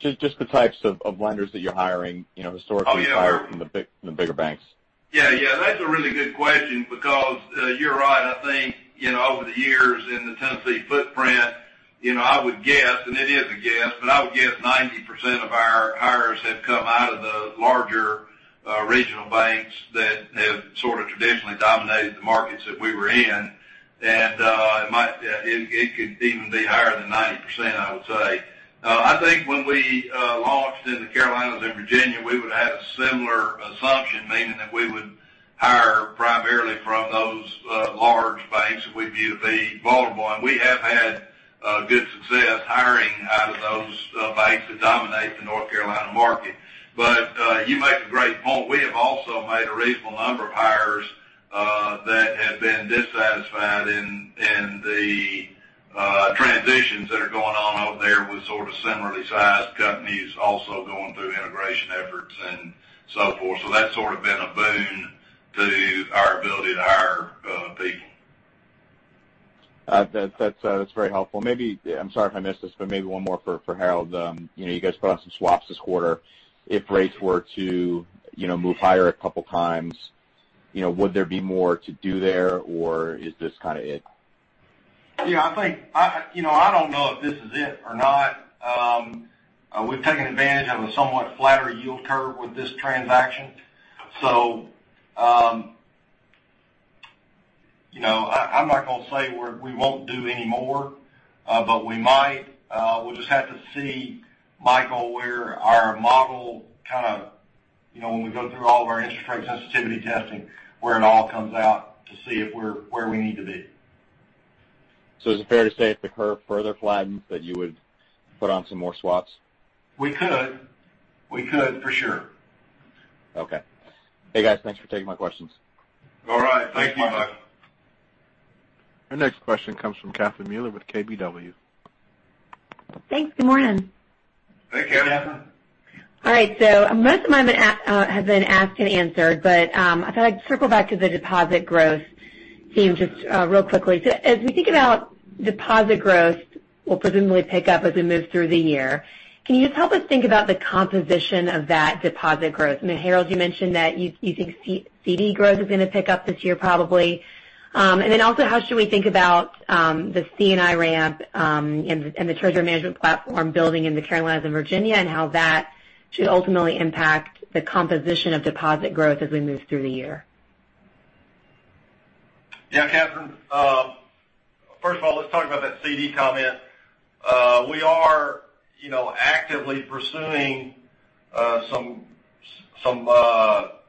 Just the types of lenders that you're hiring, historically. Oh, yeah. from the bigger banks. That's a really good question because you're right. I think, over the years in the Tennessee footprint, I would guess, and it is a guess, but I would guess 90% of our hires have come out of the larger regional banks that have sort of traditionally dominated the markets that we were in. It could even be higher than 90%, I would say. I think when we launched in the Carolinas and Virginia, we would have a similar assumption, meaning that we would hire primarily from those large banks that we view to be vulnerable. We have had good success hiring out of those banks that dominate the North Carolina market. You make a great point. We have also made a reasonable number of hires that have been dissatisfied in the transitions that are going on over there with sort of similarly sized companies also going through integration efforts and so forth. That's sort of been a boon to our ability to hire people. That's very helpful. I'm sorry if I missed this, maybe one more for Harold. You guys put on some swaps this quarter. If rates were to move higher a couple times, would there be more to do there, or is this kind of it? I don't know if this is it or not. We've taken advantage of a somewhat flatter yield curve with this transaction. I'm not going to say we won't do any more, but we might. We'll just have to see, Michael, when we go through all of our interest rate sensitivity testing, where it all comes out to see if we're where we need to be. Is it fair to say if the curve further flattens, that you would put on some more swaps? We could. We could, for sure. Okay. Hey, guys, thanks for taking my questions. All right. Thank you, Michael. Thank you. Our next question comes from Catherine Mealor with KBW. Thanks. Good morning. Hey, Catherine. Most of mine have been asked and answered, I'd like to circle back to the deposit growth theme just real quickly. As we think about deposit growth will presumably pick up as we move through the year, can you just help us think about the composition of that deposit growth? I know, Harold, you mentioned that you think CD growth is going to pick up this year probably. How should we think about the C&I ramp and the treasury management platform building in the Carolinas and Virginia, and how that should ultimately impact the composition of deposit growth as we move through the year? Yeah, Catherine. First of all, let's talk about that CD comment. We are actively pursuing some,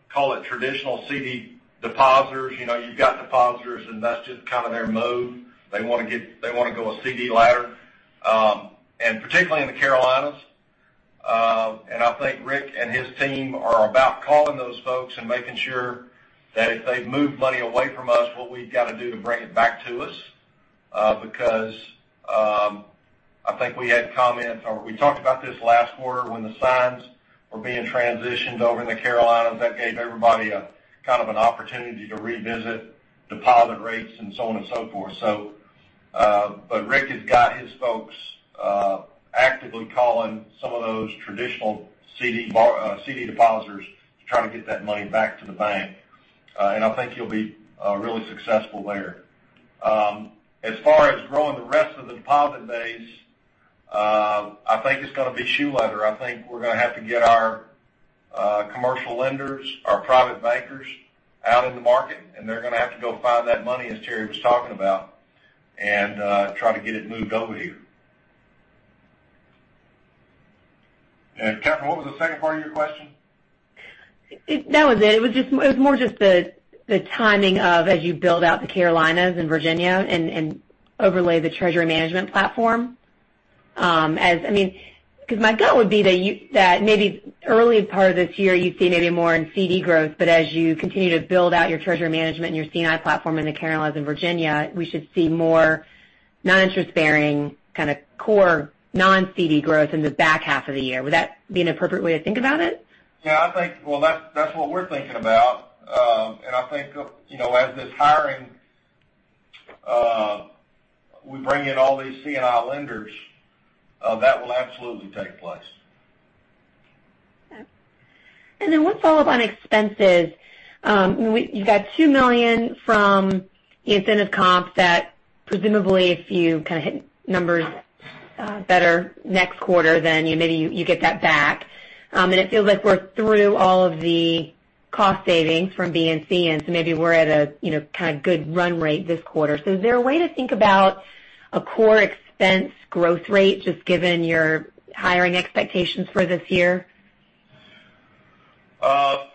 call it traditional CD depositors. You've got depositors, and that's just kind of their move. They want to go a CD ladder. Particularly in the Carolinas, I think Rick and his team are about calling those folks and making sure that if they've moved money away from us, what we've got to do to bring it back to us, because I think we had comments, or we talked about this last quarter when the signs were being transitioned over in the Carolinas. That gave everybody kind of an opportunity to revisit deposit rates and so on and so forth. Rick has got his folks actively calling some of those traditional CD depositors to try to get that money back to the bank. I think he'll be really successful there. As far as growing the rest of the deposit base, I think it's going to be shoe leather. I think we're going to have to get our commercial lenders, our private bankers out in the market, they're going to have to go find that money, as Terry was talking about, and try to get it moved over here. Catherine, what was the second part of your question? That was it. It was more just the timing of as you build out the Carolinas and Virginia and overlay the treasury management platform. My gut would be that maybe early part of this year, you see maybe more in CD growth, but as you continue to build out your treasury management and your C&I platform in the Carolinas and Virginia, we should see more non-interest bearing, kind of core non-CD growth in the back half of the year. Would that be an appropriate way to think about it? Yeah, well, that's what we're thinking about. I think, as this hiring, we bring in all these C&I lenders, that will absolutely take place Then one follow-up on expenses. You've got $2 million from the incentive comps that presumably if you hit numbers better next quarter, then maybe you get that back. It feels like we're through all of the cost savings from BNC, so maybe we're at a good run rate this quarter. Is there a way to think about a core expense growth rate, just given your hiring expectations for this year?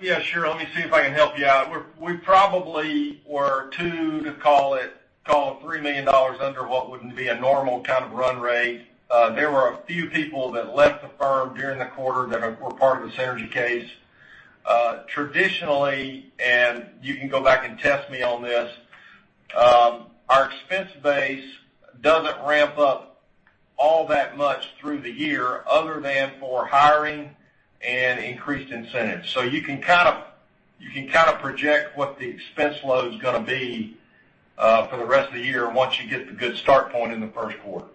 Yeah, sure. Let me see if I can help you out. We probably were 2 to call it $3 million under what wouldn't be a normal kind of run rate. There were a few people that left the firm during the quarter that were part of the synergy case. Traditionally, you can go back and test me on this, our expense base doesn't ramp up all that much through the year other than for hiring and increased incentives. You can project what the expense load's going to be for the rest of the year once you get the good start point in the first quarter.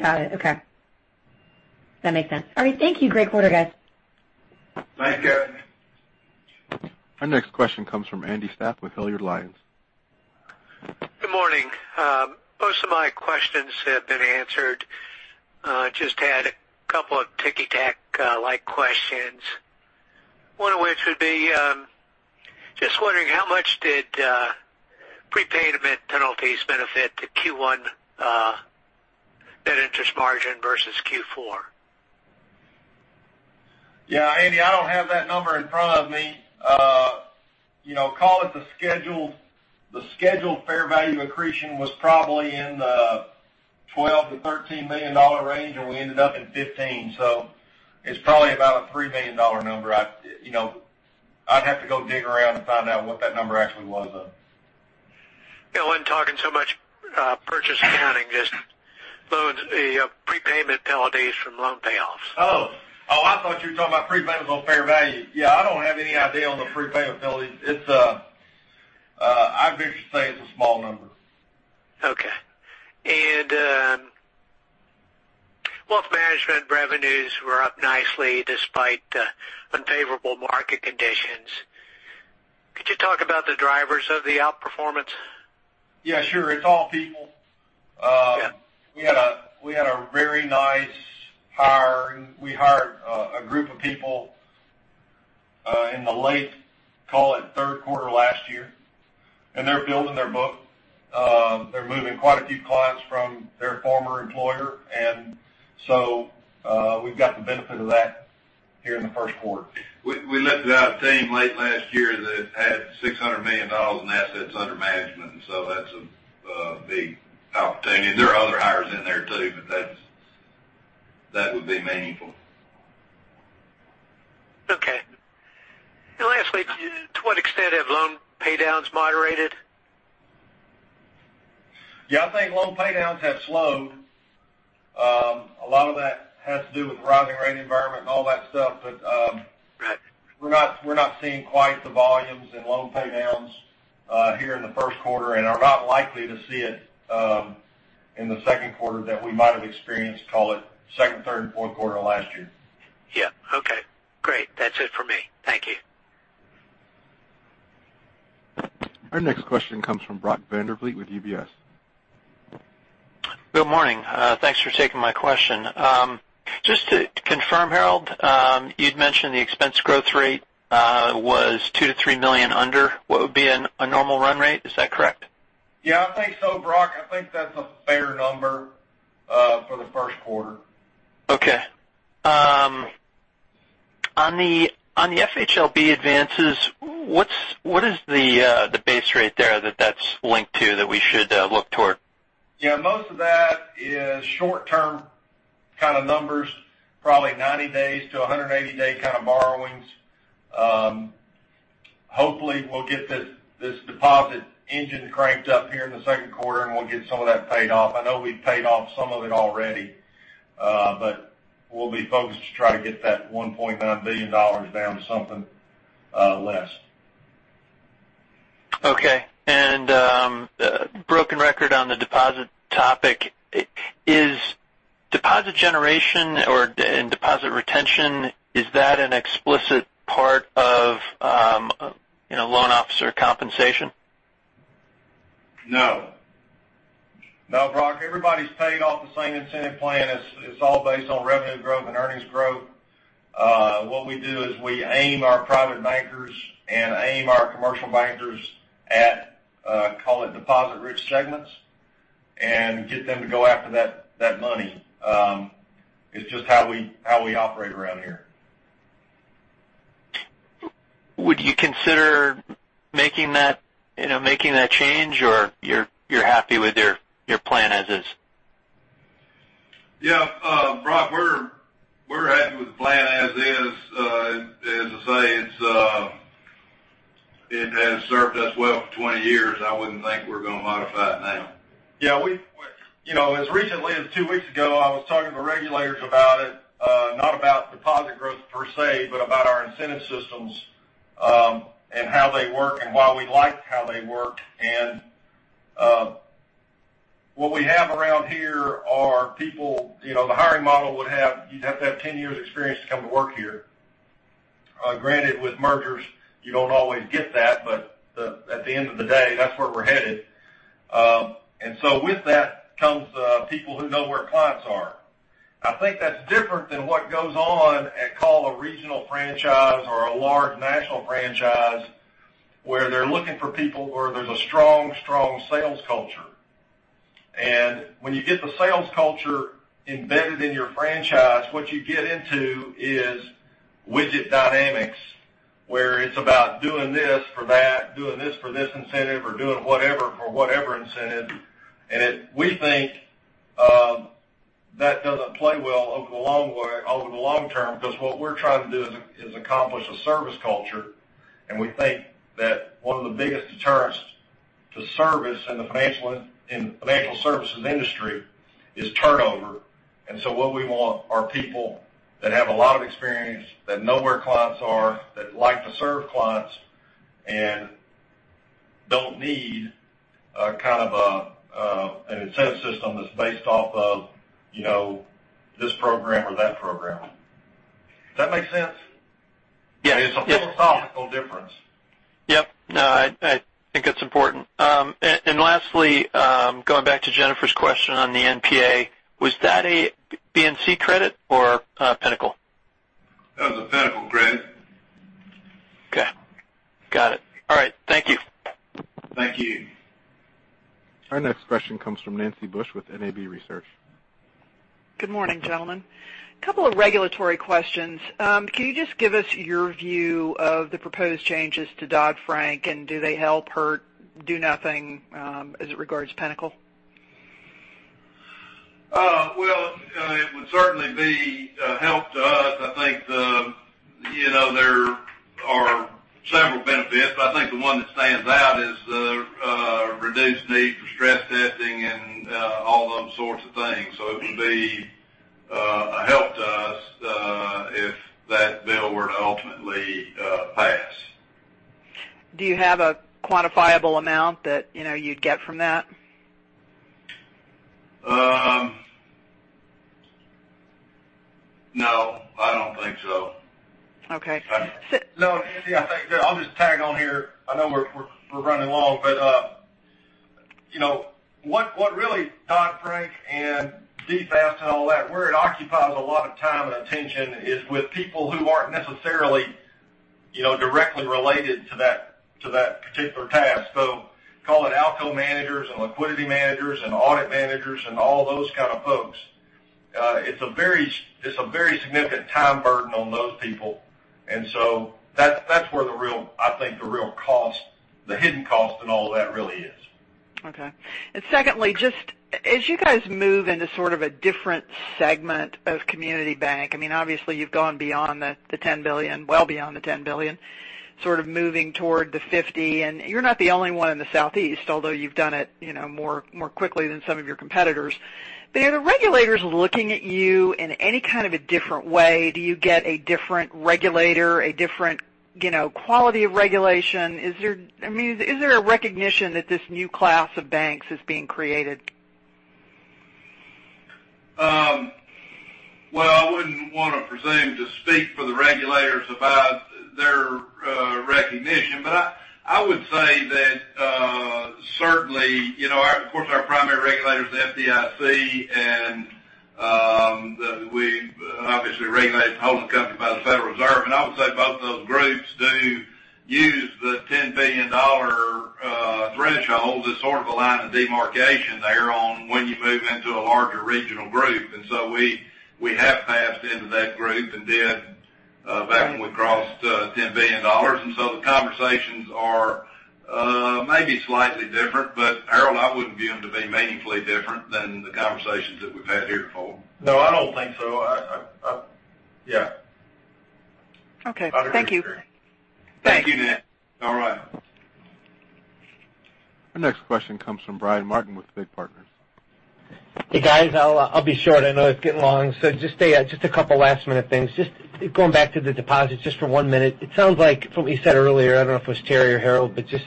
Got it. Okay. That makes sense. All right. Thank you. Great quarter, guys. Thank you. Our next question comes from Andy Stapp with Hilliard Lyons. Good morning. Most of my questions have been answered. Just had a couple of ticky-tack like questions. One of which would be, just wondering how much did prepayment penalties benefit to Q1 net interest margin versus Q4? Yeah, Andy, I don't have that number in front of me. Call it the scheduled fair value accretion was probably in the $12 million-$13 million range, and we ended up in $15 million. It's probably about a $3 million number. I'd have to go dig around and find out what that number actually was, though. I wasn't talking so much purchase accounting, just loans, the prepayment penalties from loan payoffs. Oh. Oh, I thought you were talking about prepayments on fair value. Yeah, I don't have any idea on the prepayment penalties. I'd venture to say it's a small number. Okay. Wealth management revenues were up nicely despite unfavorable market conditions. Could you talk about the drivers of the outperformance? Yeah, sure. It's all people. Yeah. We had a very nice hiring. We hired a group of people in the late, call it third quarter last year. They're building their book. They're moving quite a few clients from their former employer. We've got the benefit of that here in the first quarter. We lifted out a team late last year that had $600 million in assets under management. That's a big opportunity. There are other hires in there, too. That would be meaningful. Okay. Lastly, to what extent have loan paydowns moderated? Yeah, I think loan paydowns have slowed. A lot of that has to do with the rising rate environment and all that stuff. Right. We're not seeing quite the volumes in loan paydowns here in the first quarter and are not likely to see it in the second quarter that we might have experienced, call it second, third, and fourth quarter last year. Yeah. Okay. Great. That's it for me. Thank you. Our next question comes from Brock Vandervliet with UBS. Good morning. Thanks for taking my question. Just to confirm, Harold, you'd mentioned the expense growth rate was $2 million-$3 million under what would be a normal run rate. Is that correct? Yeah, I think so, Brock. I think that's a fair number for the first quarter. Okay. On the FHLB advances, what is the base rate there that that's linked to that we should look toward? Yeah, most of that is short term kind of numbers, probably 90 days to 180-day kind of borrowings. Hopefully, we'll get this deposit engine cranked up here in the second quarter, and we'll get some of that paid off. I know we've paid off some of it already. We'll be focused to try to get that $1.9 billion down to something less. Okay. Broken record on the deposit topic. Is deposit generation or, and deposit retention, is that an explicit part of loan officer compensation? No. No, Brock, everybody's paid off the same incentive plan. It's all based on revenue growth and earnings growth. What we do is we aim our private bankers and aim our commercial bankers at, call it deposit-rich segments, and get them to go after that money. It's just how we operate around here. Would you consider making that change, or you're happy with your plan as is? Yeah, Brock, we're happy with the plan as is. As I say, it has served us well for 20 years. I wouldn't think we're going to modify it now. Yeah. As recently as two weeks ago, I was talking to the regulators about it. Not about deposit growth per se, but about our incentive systems, and how they work and why we liked how they worked. What we have around here are people. The hiring model, you'd have to have 10 years experience to come to work here. Granted, with mergers, you don't always get that, but at the end of the day, that's where we're headed. With that comes people who know where clients are. I think that's different than what goes on at call a regional franchise or a large national franchise, where they're looking for people where there's a strong sales culture. When you get the sales culture embedded in your franchise, what you get into is widget dynamics, where it's about doing this for that, doing this for this incentive or doing whatever for whatever incentive. We think that doesn't play well over the long term, because what we're trying to do is accomplish a service culture, and we think that one of the biggest deterrents to service in the financial services industry is turnover. So what we want are people that have a lot of experience, that know where clients are, that like to serve clients, and don't need an incentive system that's based off of this program or that program. Does that make sense? Yes. It's a philosophical difference. Yep. No, I think that's important. Lastly, going back to Jennifer's question on the NPA, was that a BNC credit or a Pinnacle? That was a Pinnacle credit. Okay. Got it. All right. Thank you. Thank you. Our next question comes from Nancy Bush with NAB Research. Good morning, gentlemen. A couple of regulatory questions. Can you just give us your view of the proposed changes to Dodd-Frank, and do they help, hurt, do nothing as it regards Pinnacle? It would certainly be a help to us. I think there are several benefits, but I think the one that stands out is the reduced need for stress testing and all those sorts of things. It would be a help to us if that bill were to ultimately pass. Do you have a quantifiable amount that you'd get from that? No, I don't think so. Okay. No, Nancy, I think I'll just tag on here. I know we're running long, but what really Dodd-Frank and DFAST and all that, where it occupies a lot of time and attention is with people who aren't necessarily directly related to that particular task. Call it ALCO managers and liquidity managers and audit managers and all those kind of folks. It's a very significant time burden on those people. That's where I think the real cost, the hidden cost in all of that really is. Okay. Secondly, just as you guys move into sort of a different segment of community bank, obviously you've gone beyond the $10 billion, well beyond the $10 billion, sort of moving toward the $50 billion, and you're not the only one in the Southeast, although you've done it more quickly than some of your competitors. Are the regulators looking at you in any kind of a different way? Do you get a different regulator, a different quality of regulation? Is there a recognition that this new class of banks is being created? Well, I wouldn't want to presume to speak for the regulators about their recognition, but I would say that certainly, of course, our primary regulator is the FDIC, and we obviously are regulated as a holding company by the Federal Reserve. I would say both those groups do use the $10 billion threshold as sort of a line of demarcation there on when you move into a larger regional group. We have passed into that group and did back when we crossed $10 billion. The conversations are maybe slightly different, but Harold, I wouldn't view them to be meaningfully different than the conversations that we've had heretofore. No, I don't think so. Yeah. Okay. Thank you. Thank you, Nancy. All right. Our next question comes from Brian Martin with FIG Partners. Hey, guys. I'll be short. I know it's getting long. Just a couple last-minute things. Just going back to the deposits just for one minute. It sounds like from what you said earlier, I don't know if it was Terry or Harold, but just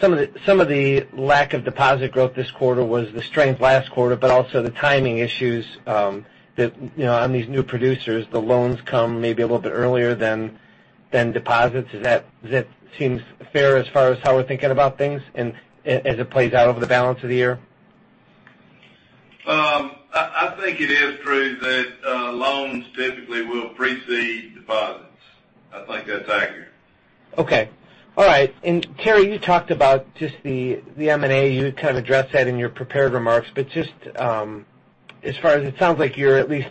some of the lack of deposit growth this quarter was the strength last quarter, but also the timing issues on these new producers, the loans come maybe a little bit earlier than deposits. Does that seem fair as far as how we're thinking about things and as it plays out over the balance of the year? I think it is true that loans typically will precede deposits. I think that's accurate. Okay. All right. Terry, you talked about just the M&A, you kind of addressed that in your prepared remarks. It sounds like you're at least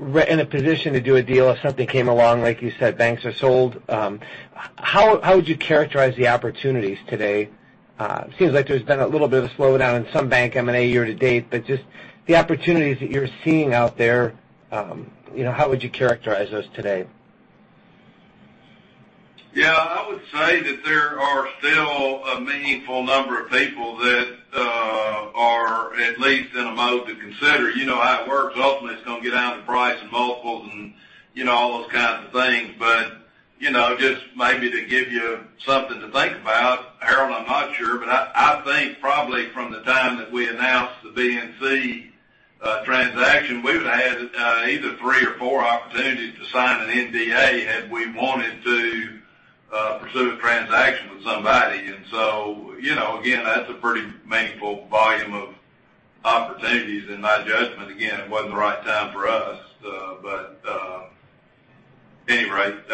in a position to do a deal if something came along, like you said, banks are sold. How would you characterize the opportunities today? It seems like there's been a little bit of a slowdown in some bank M&A year to date, but just the opportunities that you're seeing out there, how would you characterize those today? I would say that there are still a meaningful number of people that are at least in a mode to consider. You know how it works. Ultimately, it's going to get down to price and multiples and all those kinds of things. Just maybe to give you something to think about, Harold, I'm not sure, but I think probably from the time that we announced the BNC transaction, we would've had either three or four opportunities to sign an NDA had we wanted to pursue a transaction with somebody. Again, that's a pretty meaningful volume of opportunities in my judgment. Again, it wasn't the right time for us. At any rate, is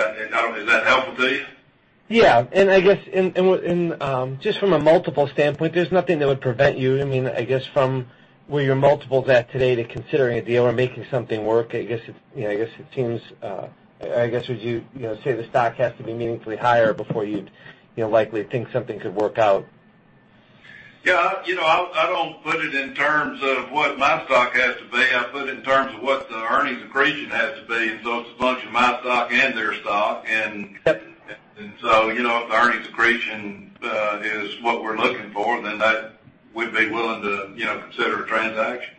that helpful to you? I guess, just from a multiple standpoint, there's nothing that would prevent you, I guess from where your multiple's at today to considering a deal or making something work, I guess it seems I guess, would you say the stock has to be meaningfully higher before you'd likely think something could work out? Yeah. I don't put it in terms of what my stock has to be. I put it in terms of what the earnings accretion has to be. It's a function of my stock and their stock. Yep. If the earnings accretion is what we're looking for, we'd be willing to consider a transaction.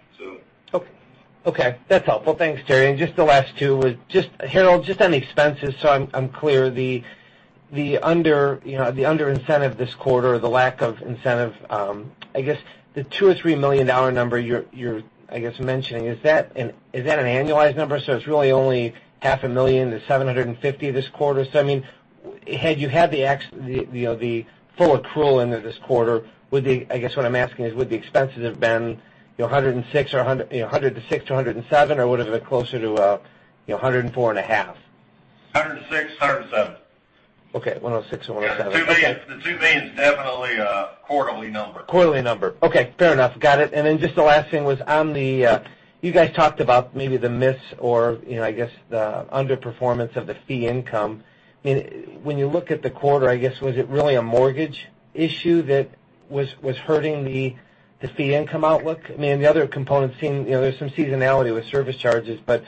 Okay. That's helpful. Thanks, Terry. Just the last two was, Harold, just on the expenses, so I'm clear, the under incentive this quarter or the lack of incentive, I guess the two or three million number you're, I guess, mentioning, is that an annualized number? It's really only $500,000-$750,000 this quarter. Had you had the full accrual into this quarter, I guess what I'm asking is, would the expenses have been $106 million-$107 million, or would it have been closer to $104.5 million? $106 million, $107 million. Okay. $106 million and $107 million. The $2 million's definitely a quarterly number. Quarterly number. Okay. Fair enough. Got it. Just the last thing was on the You guys talked about maybe the miss or, I guess the underperformance of the fee income. When you look at the quarter, I guess, was it really a mortgage issue that was hurting the fee income outlook? The other components seem, there's some seasonality with service charges, but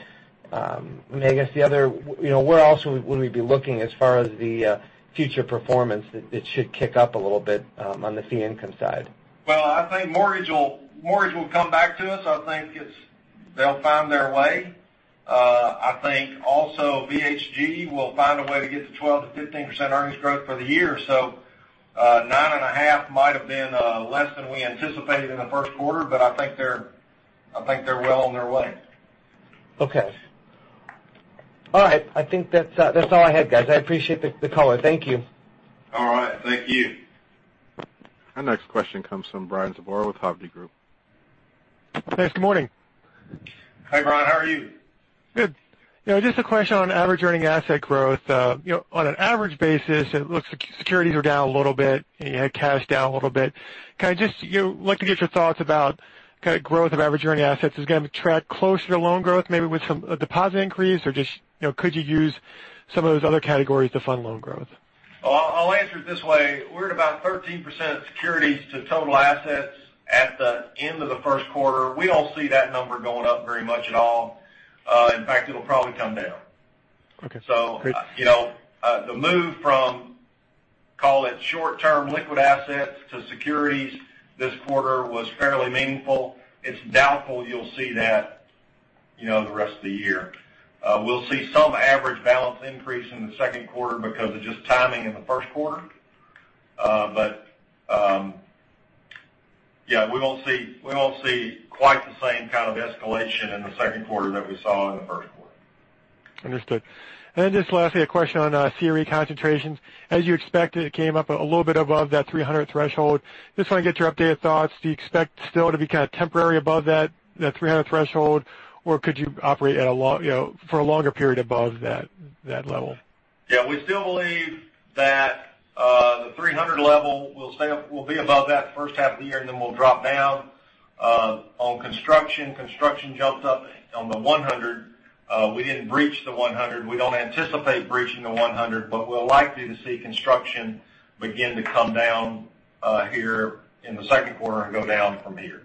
I guess the other, where else would we be looking as far as the future performance that should kick up a little bit on the fee income side? Well, I think mortgage will come back to us. I think they'll find their way. I think also BHG will find a way to get to 12%-15% earnings growth for the year. 9.5% might have been less than we anticipated in the first quarter, but I think they're well on their way. Okay. All right. I think that's all I had, guys. I appreciate the call. Thank you. All right. Thank you. Our next question comes from Brian Zabora with Hovde Group. Thanks. Good morning. Hi, Brian. How are you? Good. Just a question on average earning asset growth. On an average basis, it looks like securities are down a little bit, and you had cash down a little bit. Like to get your thoughts about growth of average earning assets. Is it going to track closer to loan growth, maybe with some deposit increase, or just could you use some of those other categories to fund loan growth? I'll answer it this way. We're at about 13% of securities to total assets at the end of the first quarter. We don't see that number going up very much at all. In fact, it'll probably come down. Okay. Great. The move from, call it short-term liquid assets to securities this quarter was fairly meaningful. It's doubtful you'll see that the rest of the year. We'll see some average balance increase in the second quarter because of just timing in the first quarter. Yeah, we won't see quite the same kind of escalation in the second quarter that we saw in the first quarter. Understood. Just lastly, a question on CRE concentrations. As you expected, it came up a little bit above that 300 threshold. Just want to get your updated thoughts. Do you expect still to be kind of temporary above that 300 threshold, or could you operate for a longer period above that level? Yeah, we still believe that the 300 level will be above that the first half of the year, we'll drop down. On construction jumped up on the 100. We didn't breach the 100. We don't anticipate breaching the 100, we're likely to see construction begin to come down here in the second quarter and go down from here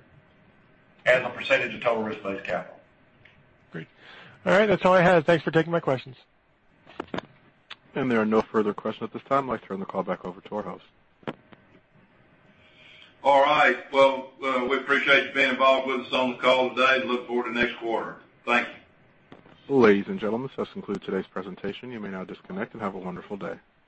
as a % of total risk-based capital. Great. All right. That's all I had. Thanks for taking my questions. There are no further questions at this time. I'd like to turn the call back over to our host. All right. Well, we appreciate you being involved with us on the call today and look forward to next quarter. Thank you. Ladies and gentlemen, this concludes today's presentation. You may now disconnect, and have a wonderful day.